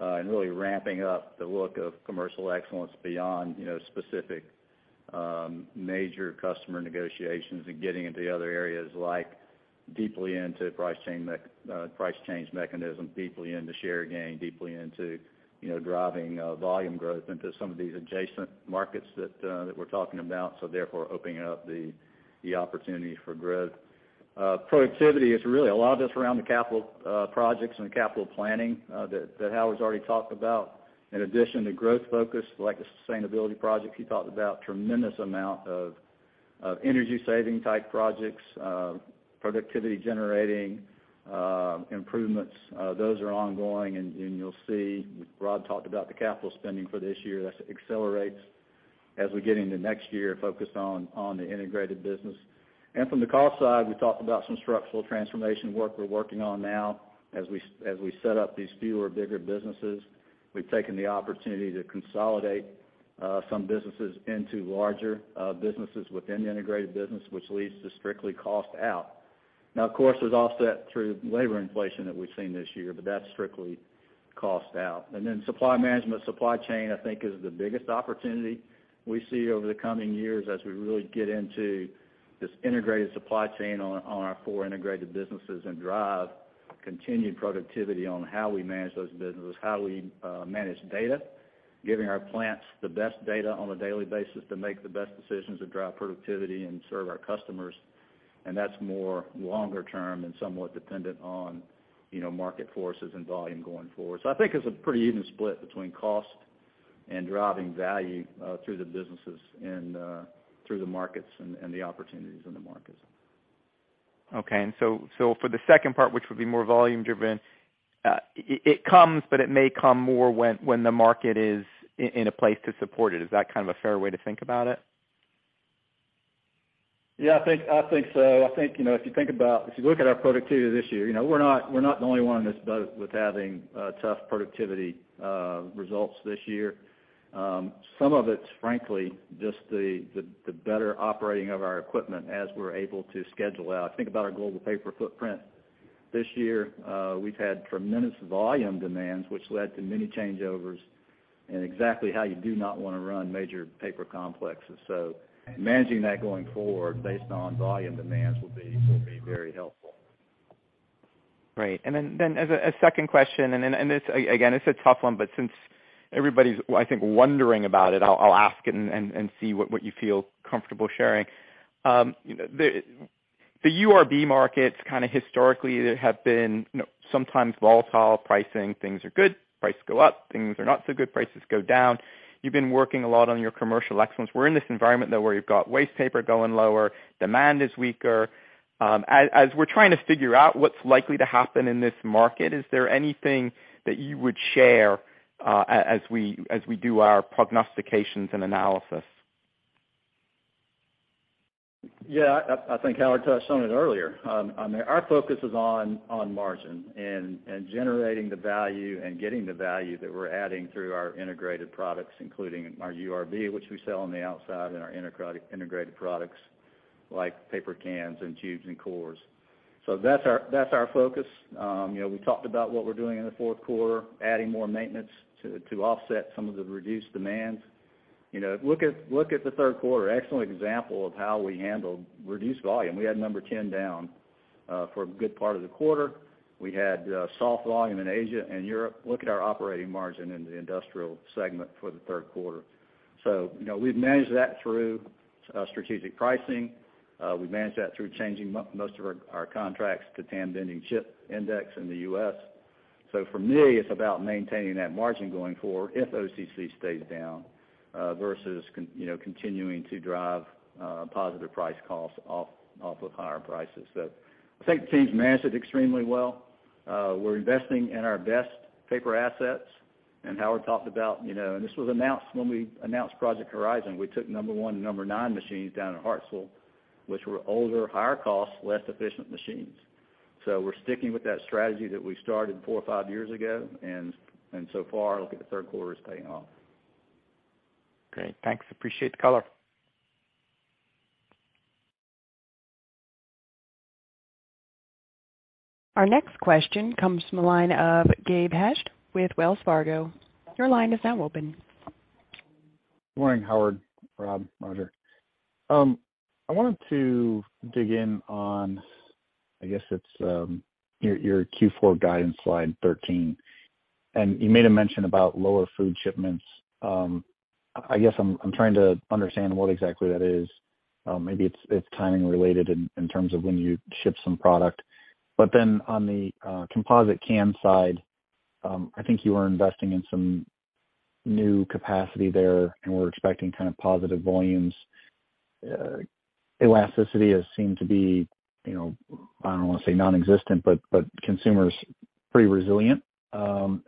Really ramping up the look of commercial excellence beyond, you know, specific major customer negotiations and getting into other areas like deeply into price change mechanism, deeply into share gain, deeply into, you know, driving volume growth into some of these adjacent markets that we're talking about, so therefore opening up the opportunity for growth. Productivity is really a lot of this around the capital projects and capital planning that Howard's already talked about. In addition to growth focus, like the sustainability project he talked about, tremendous amount of energy saving type projects, productivity generating improvements, those are ongoing. You'll see, Rob talked about the capital spending for this year as it accelerates as we get into next year focused on the integrated business. From the cost side, we talked about some structural transformation work we're working on now as we set up these fewer, bigger businesses. We've taken the opportunity to consolidate some businesses into larger businesses within the integrated business, which leads to strictly cost out. Now, of course, there's offset through labor inflation that we've seen this year, but that's strictly cost out. Then supply management, supply chain, I think, is the biggest opportunity we see over the coming years as we really get into this integrated supply chain on our four integrated businesses and drive continued productivity on how we manage those businesses, how we manage data, giving our plants the best data on a daily basis to make the best decisions to drive productivity and serve our customers. That's more longer term and somewhat dependent on, you know, market forces and volume going forward. I think it's a pretty even split between cost and driving value through the businesses and through the markets and the opportunities in the markets. Okay. So for the second part, which would be more volume driven, it comes, but it may come more when the market is in a place to support it. Is that kind of a fair way to think about it? Yeah, I think so. I think, you know, if you think about, if you look at our productivity this year, you know, we're not the only one in this boat with having tough productivity results this year. Some of it's frankly just the better operating of our equipment as we're able to schedule out. Think about our global paper footprint. This year, we've had tremendous volume demands, which led to many changeovers and exactly how you do not wanna run major paper complexes. Managing that going forward based on volume demands will be very helpful. Great. As a second question, and this again, it's a tough one, but since everybody's I think wondering about it, I'll ask it and see what you feel comfortable sharing. The URB markets kind of historically have been, you know, sometimes volatile pricing. Things are good, prices go up. Things are not so good, prices go down. You've been working a lot on your commercial excellence. We're in this environment, though, where you've got wastepaper going lower, demand is weaker. As we're trying to figure out what's likely to happen in this market, is there anything that you would share as we do our prognostications and analysis? Yeah. I think Howard touched on it earlier. I mean, our focus is on margin and generating the value and getting the value that we're adding through our integrated products, including our URB, which we sell on the outside, and our integrated products like paper cans and tubes and cores. That's our focus. You know, we talked about what we're doing in the fourth quarter, adding more maintenance to offset some of the reduced demands. You know, look at the third quarter, excellent example of how we handled reduced volume. We had number 10 down for a good part of the quarter. We had soft volume in Asia and Europe. Look at our operating margin in the industrial segment for the third quarter. You know, we've managed that through strategic pricing. We've managed that through changing most of our contracts to Tan Bending Chip Index in the U.S. For me, it's about maintaining that margin going forward if OCC stays down, versus you know, continuing to drive positive price costs off of higher prices. I think the team's managed it extremely well. We're investing in our best paper assets, and Howard talked about, you know, and this was announced when we announced Project Horizon. We took number 1 and number 9 machines down at Hartsville, which were older, higher cost, less efficient machines. We're sticking with that strategy that we started four or five years ago, and so far, look at the third quarter, it's paying off. Great. Thanks. Appreciate the color. Our next question comes from the line of Gabe Hajde with Wells Fargo. Your line is now open. Good morning, Howard, Rob, Rodger. I wanted to dig in on, I guess it's your Q4 guidance, slide 13. You made a mention about lower food shipments. I guess I'm trying to understand what exactly that is. Maybe it's timing related in terms of when you ship some product. On the composite can side, I think you are investing in some new capacity there, and we're expecting kind of positive volumes. Elasticity has seemed to be, you know, I don't wanna say nonexistent, but consumers pretty resilient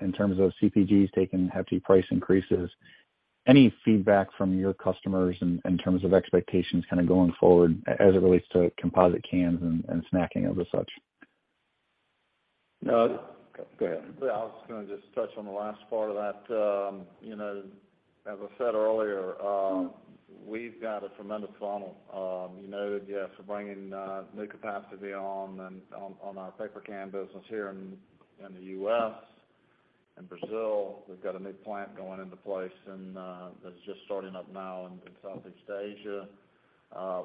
in terms of CPGs taking hefty price increases. Any feedback from your customers in terms of expectations kind of going forward as it relates to composite cans and snacking as such? No. Go ahead. Yeah. I was gonna just touch on the last part of that. You know, as I said earlier, we've got a tremendous funnel. You noted, yes, we're bringing new capacity on our paper can business here in the U.S and Brazil. We've got a new plant going into place, and that's just starting up now in Southeast Asia.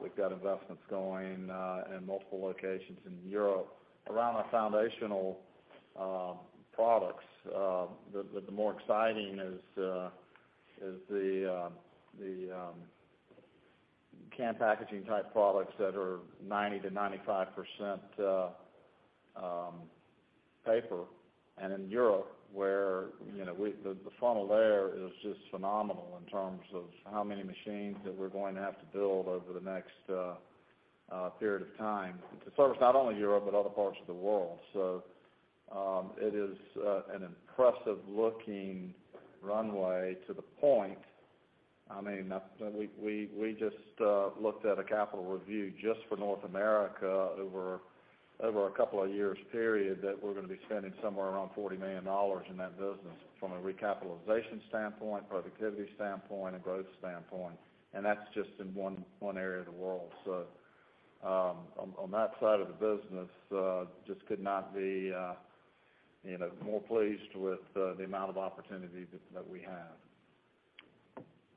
We've got investments going in multiple locations in Europe. Around our foundational products, the more exciting is the can packaging type products that are 90%-95% paper. In Europe, where, you know, the funnel there is just phenomenal in terms of how many machines that we're going to have to build over the next period of time to service not only Europe, but other parts of the world. It is an impressive-looking runway to the point, I mean, we just looked at a capital review just for North America over a couple of years period that we're gonna be spending somewhere around $40 million in that business from a recapitalization standpoint, productivity standpoint, and growth standpoint. That's just in one area of the world. On that side of the business, just could not be, you know, more pleased with the amount of opportunity that we have.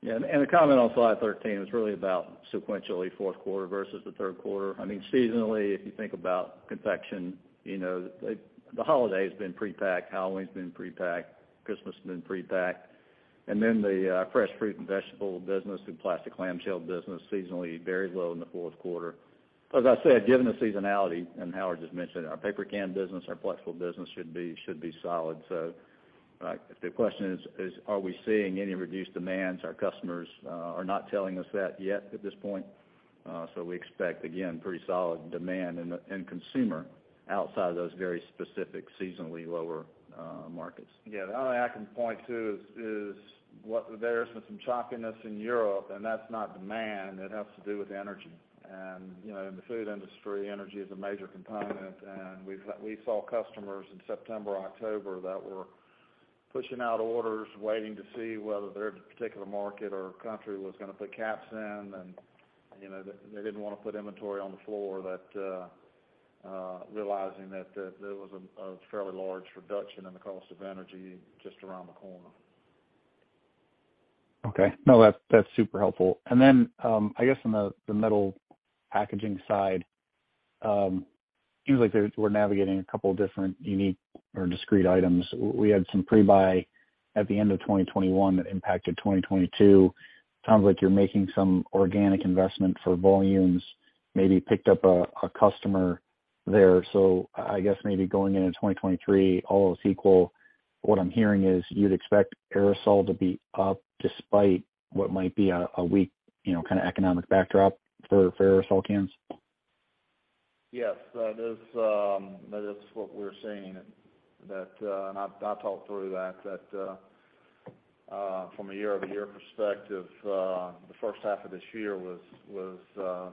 Yeah. A comment on slide 13 was really about sequentially fourth quarter versus the third quarter. I mean, seasonally, if you think about confection, you know, the holiday has been prepacked, Halloween's been prepacked, Christmas has been prepacked. Then the fresh fruit and vegetable business, the plastic clamshell business seasonally very low in the fourth quarter. As I said, given the seasonality, and Howard just mentioned, our paper can business, our flexible business should be solid. If the question is, are we seeing any reduced demands, our customers are not telling us that yet at this point. We expect, again, pretty solid demand in consumer outside of those very specific seasonally lower markets. Yeah. The only other thing I can point to is what there has been some choppiness in Europe, and that's not demand. It has to do with energy. You know, in the food industry, energy is a major component. We saw customers in September, October that were pushing out orders, waiting to see whether their particular market or country was gonna put caps in. You know, they didn't wanna put inventory on the floor that realizing that there was a fairly large reduction in the cost of energy just around the corner. Okay. No, that's super helpful. I guess on the Metal Packaging side, seems like we're navigating a couple different unique or discrete items. We had some pre-buy at the end of 2021 that impacted 2022. Sounds like you're making some organic investment for volumes, maybe picked up a customer there. I guess maybe going into 2023, all else equal, what I'm hearing is you'd expect aerosol to be up despite what might be a weak, you know, kind of economic backdrop for aerosol cans? Yes. That is what we're seeing. I've talked through that from a year-over-year perspective, the first half of this year was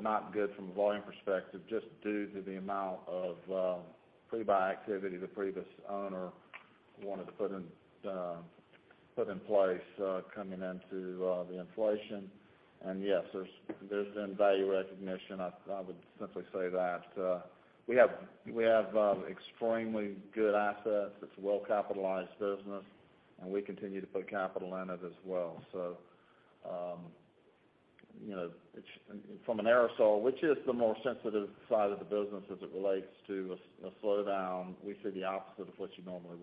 not good from a volume perspective just due to the amount of pre-buy activity the previous owner wanted to put in place, coming into the inflation. Yes, there's been value recognition. I would simply say that we have extremely good assets. It's a well-capitalized business, and we continue to put capital in it as well. You know, it's from an aerosol, which is the more sensitive side of the business as it relates to a slowdown, we see the opposite of what you normally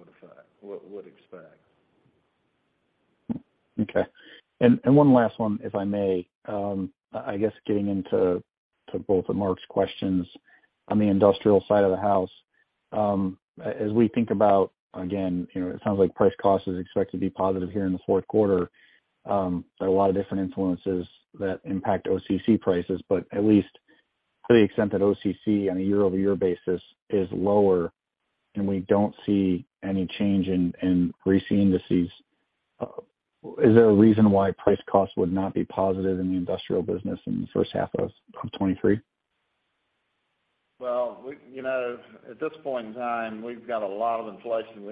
would expect. One last one, if I may. I guess getting into both of Mark's questions on the industrial side of the house, as we think about, again, you know, it sounds like price cost is expected to be positive here in the fourth quarter, there are a lot of different influences that impact OCC prices. At least to the extent that OCC on a year-over-year basis is lower and we don't see any change in RISI indices, is there a reason why price cost would not be positive in the industrial business in the first half of 2023? Well, you know, at this point in time, we've got a lot of inflation.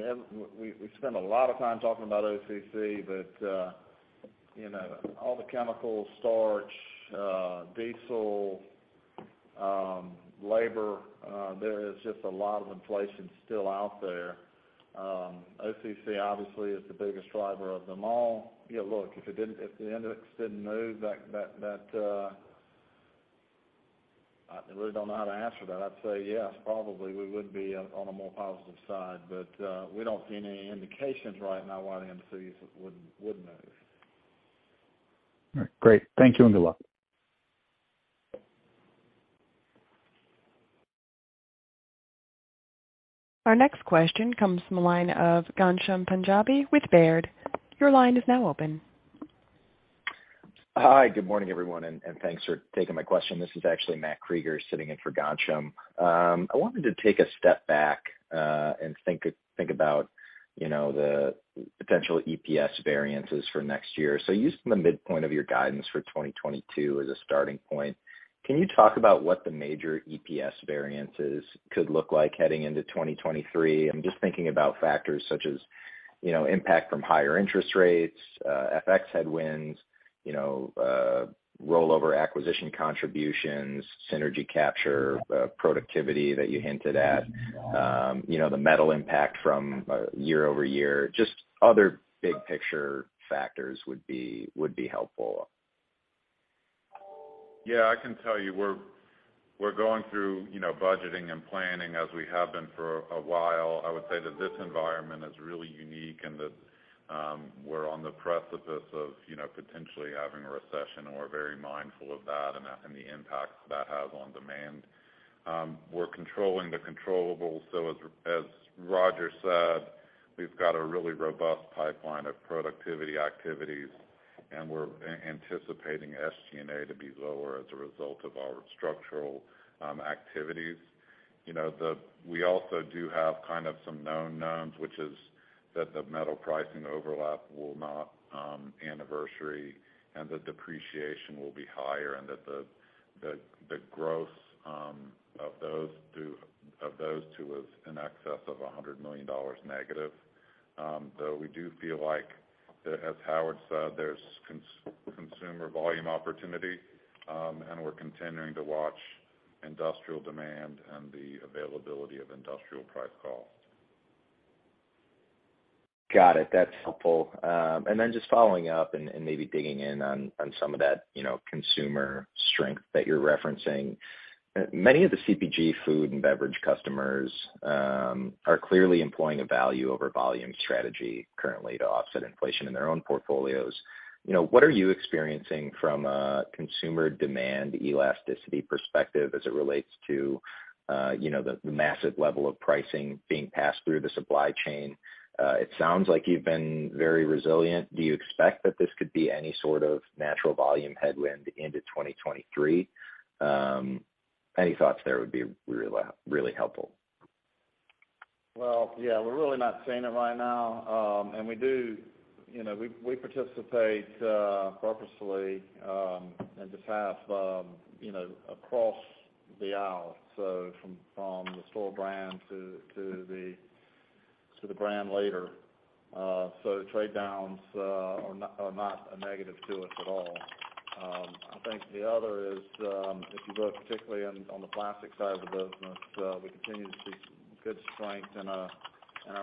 We spend a lot of time talking about OCC, but you know, all the chemicals, starch, diesel, labor, there is just a lot of inflation still out there. OCC obviously is the biggest driver of them all. Yeah, look, if it didn't, if the index didn't move that, I really don't know how to answer that. I'd say yes, probably we would be on a more positive side. We don't see any indications right now why the indices wouldn't move. All right. Great. Thank you, and good luck. Our next question comes from the line of Ghansham Panjabi with Baird. Your line is now open. Hi. Good morning, everyone, and thanks for taking my question. This is actually Matt Krueger sitting in for Ghansham. I wanted to take a step back and think about, you know, the potential EPS variances for next year. Using the midpoint of your guidance for 2022 as a starting point, can you talk about what the major EPS variances could look like heading into 2023? I'm just thinking about factors such as, you know, impact from higher interest rates, FX headwinds, you know, rollover acquisition contributions, synergy capture, productivity that you hinted at, you know, the metal impact from year-over-year. Just other big picture factors would be helpful. Yeah, I can tell you we're going through, you know, budgeting and planning as we have been for a while. I would say that this environment is really unique and that we're on the precipice of, you know, potentially having a recession, and we're very mindful of that and the impacts that has on demand. We're controlling the controllables. As Rodger said, we've got a really robust pipeline of productivity activities, and we're anticipating SG&A to be lower as a result of our structural activities. You know, we also do have kind of some known knowns, which is that the metal pricing overlap will not anniversary and the depreciation will be higher, and that the growth of those two is in excess of $100 million negative. Though we do feel like, as Howard said, there's consumer volume opportunity, and we're continuing to watch industrial demand and the availability of industrial price-cost. Got it. That's helpful. Just following up and maybe digging in on some of that, you know, consumer strength that you're referencing. Many of the CPG food and beverage customers are clearly employing a value over volume strategy currently to offset inflation in their own portfolios. You know, what are you experiencing from a consumer demand elasticity perspective as it relates to, you know, the massive level of pricing being passed through the supply chain? It sounds like you've been very resilient. Do you expect that this could be any sort of natural volume headwind into 2023? Any thoughts there would be really, really helpful. Well, yeah, we're really not seeing it right now. We participate purposefully in the past, you know, across the aisle, so from the store brand to the brand leader. Trade downs are not a negative to us at all. I think the other is, if you look particularly on the plastic side of the business, we continue to see good strength in our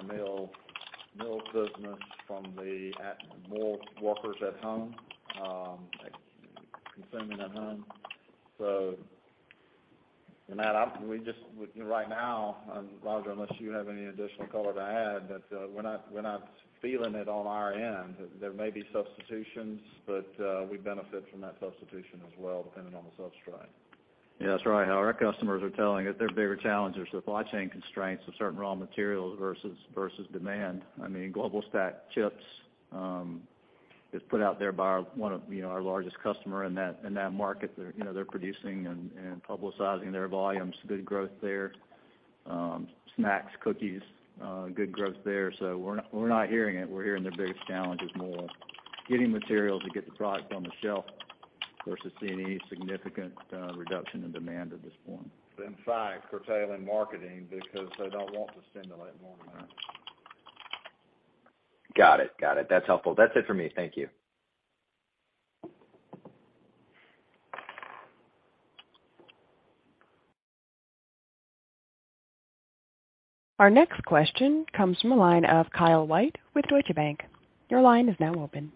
metal business from more workers at home, consuming at home. Matt, right now, Rodger, unless you have any additional color to add, but we're not feeling it on our end. There may be substitutions, but we benefit from that substitution as well, depending on the substrate. Yeah, that's right, Howard. Our customers are telling us their bigger challenge is the supply chain constraints of certain raw materials versus demand. I mean, GlobalFoundries chips is put out there by one of, you know, our largest customer in that market. They're, you know, they're producing and publicizing their volumes. Good growth there. Snacks, cookies, good growth there. We're not hearing it. We're hearing their biggest challenge is more getting materials to get the product on the shelf versus seeing any significant reduction in demand at this point. In fact, curtailing marketing because they don't want to stimulate more demand. Got it. That's helpful. That's it for me. Thank you. Our next question comes from the line of Kyle White with Deutsche Bank. Your line is now open.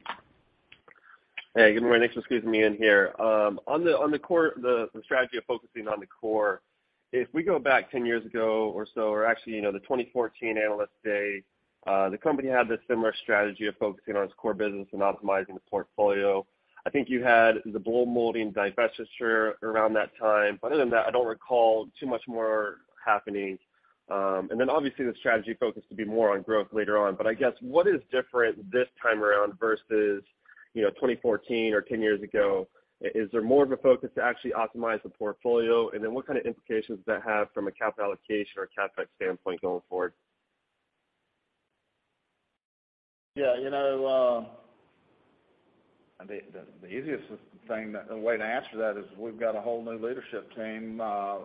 Hey, good morning. Thanks for squeezing me in here. On the core strategy of focusing on the core, if we go back 10 years ago, the 2014 Analyst Day, the company had this similar strategy of focusing on its core business and optimizing the portfolio. I think you had the blow molding divestiture around that time. Other than that, I don't recall too much more happening. Obviously the strategy focused to be more on growth later on. I guess what is different this time around versus 2014 or 10 years ago? Is there more of a focus to actually optimize the portfolio? And then what kind of implications does that have from a capital allocation or CapEx standpoint going forward? Yeah, you know, I think the easiest thing, the way to answer that is we've got a whole new leadership team,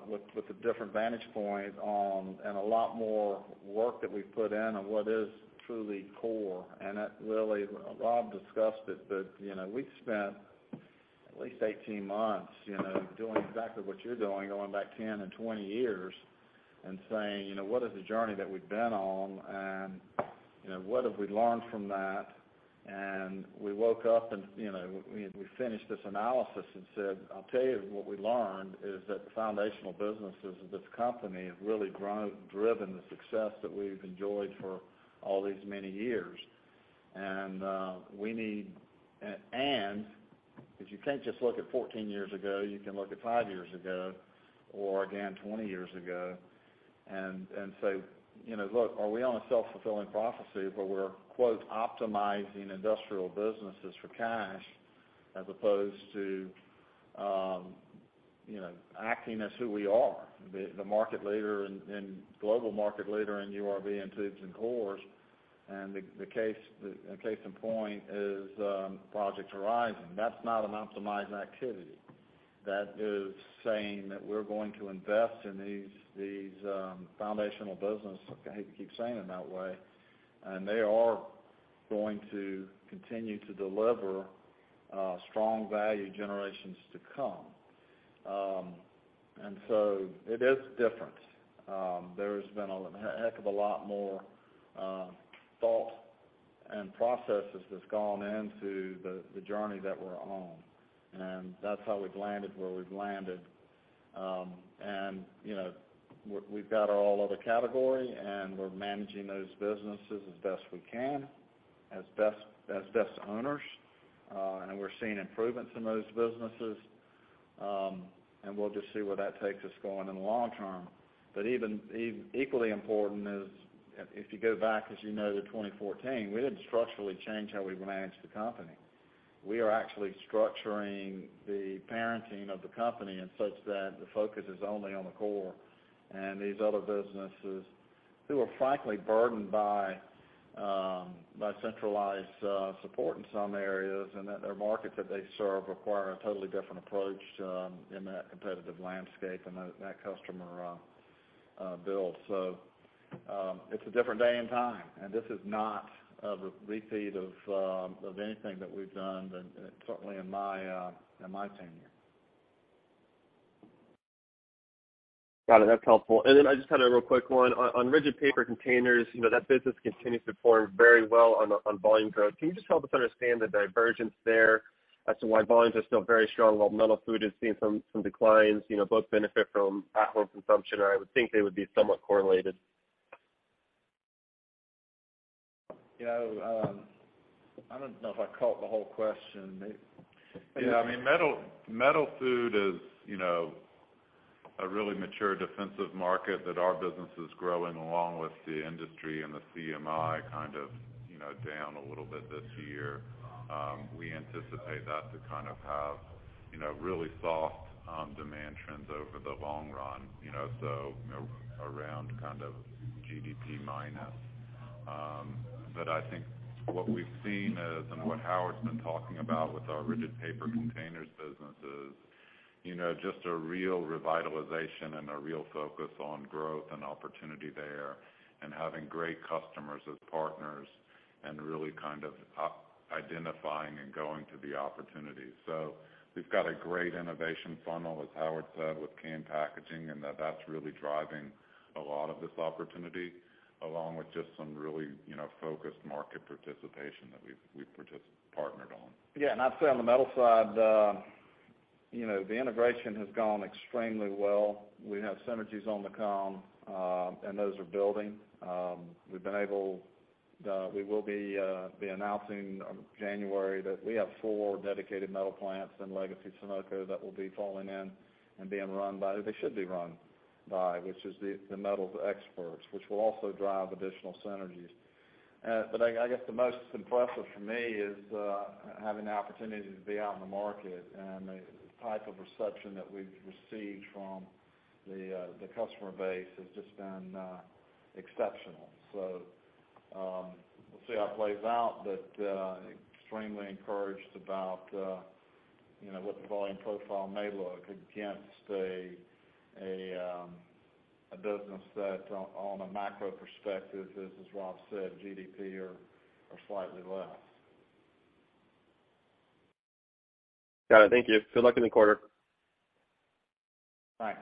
with a different vantage point on and a lot more work that we've put in on what is truly core. It really, Rob discussed it, but, you know, we've spent at least 18 months, you know, doing exactly what you're doing, going back 10 and 20 years and saying, you know, what is the journey that we've been on, and, you know, what have we learned from that? We woke up and, you know, we finished this analysis and said, "I'll tell you what we learned is that the foundational businesses of this company have really grown, driven the success that we've enjoyed for all these many years." Because you can't just look at 14 years ago, you can look at 5 years ago or again, 20 years ago and say, you know, look, are we on a self-fulfilling prophecy where we're, quote, "optimizing industrial businesses for cash" as opposed to, you know, acting as who we are, the market leader and global market leader in URB and tubes and cores. The case in point is Project Horizon. That's not an optimizing activity. That is saying that we're going to invest in these foundational business. I hate to keep saying it that way. They are going to continue to deliver strong value generations to come. It is different. There's been a heck of a lot more thought and processes that's gone into the journey that we're on. That's how we've landed where we've landed. You know, we've got our all other category, and we're managing those businesses as best we can, as best owners. We're seeing improvements in those businesses. We'll just see where that takes us going in the long term. Even equally important is if you go back, as you know, to 2014, we didn't structurally change how we managed the company. We are actually structuring the parenting of the company in such that the focus is only on the core. These other businesses, who are frankly burdened by centralized support in some areas, and that their markets that they serve require a totally different approach in that competitive landscape and that customer base. It's a different day and time, and this is not a repeat of anything that we've done and certainly in my tenure. Got it. That's helpful. I just had a real quick one. On Rigid Paper Containers, you know, that business continues to perform very well on volume growth. Can you just help us understand the divergence there as to why volumes are still very strong while metal food cans are seeing some declines? You know, both benefit from at-home consumption, and I would think they would be somewhat correlated. You know, I don't know if I caught the whole question. Yeah. I mean, metal food is, you know, a really mature defensive market that our business is growing along with the industry and the CMI kind of, you know, down a little bit this year. We anticipate that to kind of have, you know, really soft demand trends over the long run, you know, so, you know, around kind of GDP minus. But I think what we've seen is, and what Howard's been talking about with our Rigid Paper Containers business is, you know, just a real revitalization and a real focus on growth and opportunity there and having great customers as partners and really kind of identifying and going to the opportunities. We've got a great innovation funnel, as Howard said, with Can Packaging, and that's really driving a lot of this opportunity, along with just some really, you know, focused market participation that we've partnered on. Yeah. I'd say on the metal side, you know, the integration has gone extremely well. We have synergies on the commercial, and those are building. We will be announcing in January that we have four dedicated metal plants in Legacy Sonoco that will be folding in and being run by the metal experts, which will also drive additional synergies. I guess the most impressive for me is having the opportunity to be out in the market and the type of reception that we've received from the customer base has just been exceptional. We'll see how it plays out, but extremely encouraged about, you know, what the volume profile may look against a business that on a macro perspective is, as Rob said, GDP or slightly less. Got it. Thank you. Good luck in the quarter. Thanks.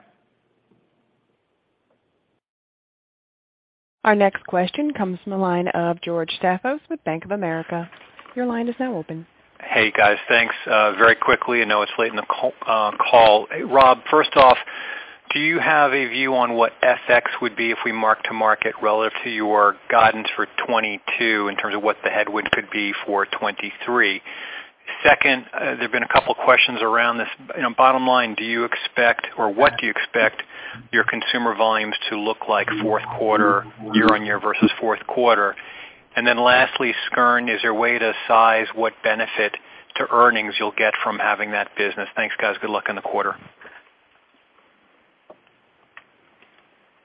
Our next question comes from the line of George Staphos with Bank of America. Your line is now open. Hey, guys. Thanks. Very quickly, I know it's late in the call. Rob, first off, do you have a view on what FX would be if we mark to market relative to your guidance for 2022 in terms of what the headwind could be for 2023? Second, there have been a couple questions around this. You know, bottom line, do you expect or what do you expect your consumer volumes to look like fourth quarter year-over-year versus fourth quarter? Then lastly, Skjern, is there a way to size what benefit to earnings you'll get from having that business? Thanks, guys. Good luck in the quarter.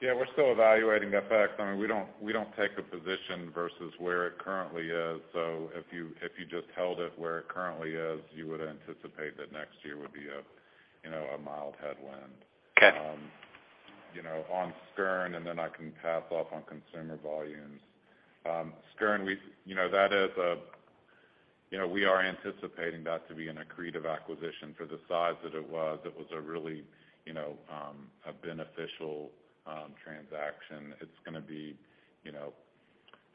Yeah. We're still evaluating FX. I mean, we don't take a position versus where it currently is. If you just held it where it currently is, you would anticipate that next year would be a, you know, a mild headwind. Okay. You know, on Skjern, and then I can pass off on consumer volumes. Skjern, we, you know, that is. You know, we are anticipating that to be an accretive acquisition. For the size that it was, it was a really, you know, a beneficial transaction. It's gonna be, you know,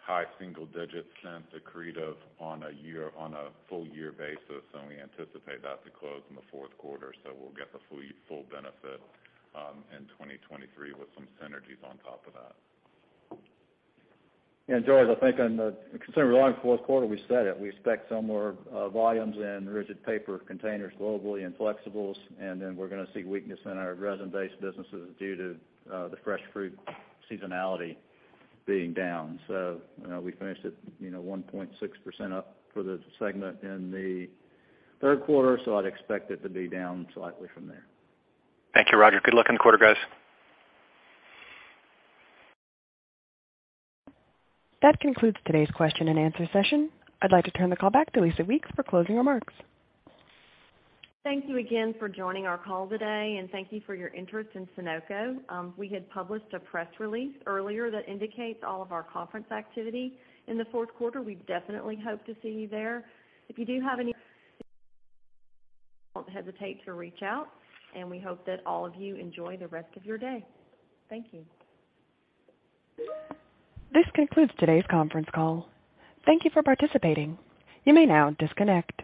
high single digits accretive on a full year basis, and we anticipate that to close in the fourth quarter, so we'll get the full benefit in 2023 with some synergies on top of that. George, I think on the consumer volume fourth quarter, we said it. We expect similar volumes in Rigid Paper Containers globally and flexibles, and then we're gonna see weakness in our resin-based businesses due to the fresh food seasonality being down. You know, we finished it, you know, 1.6% up for the segment in the third quarter, so I'd expect it to be down slightly from there. Thank you, Rodger. Good luck in the quarter, guys. That concludes today's question and answer session. I'd like to turn the call back to Lisa Weeks for closing remarks. Thank you again for joining our call today, and thank you for your interest in Sonoco. We had published a press release earlier that indicates all of our conference activity in the fourth quarter. We definitely hope to see you there. If you do have any don't hesitate to reach out, and we hope that all of you enjoy the rest of your day. Thank you. This concludes today's conference call. Thank you for participating. You may now disconnect.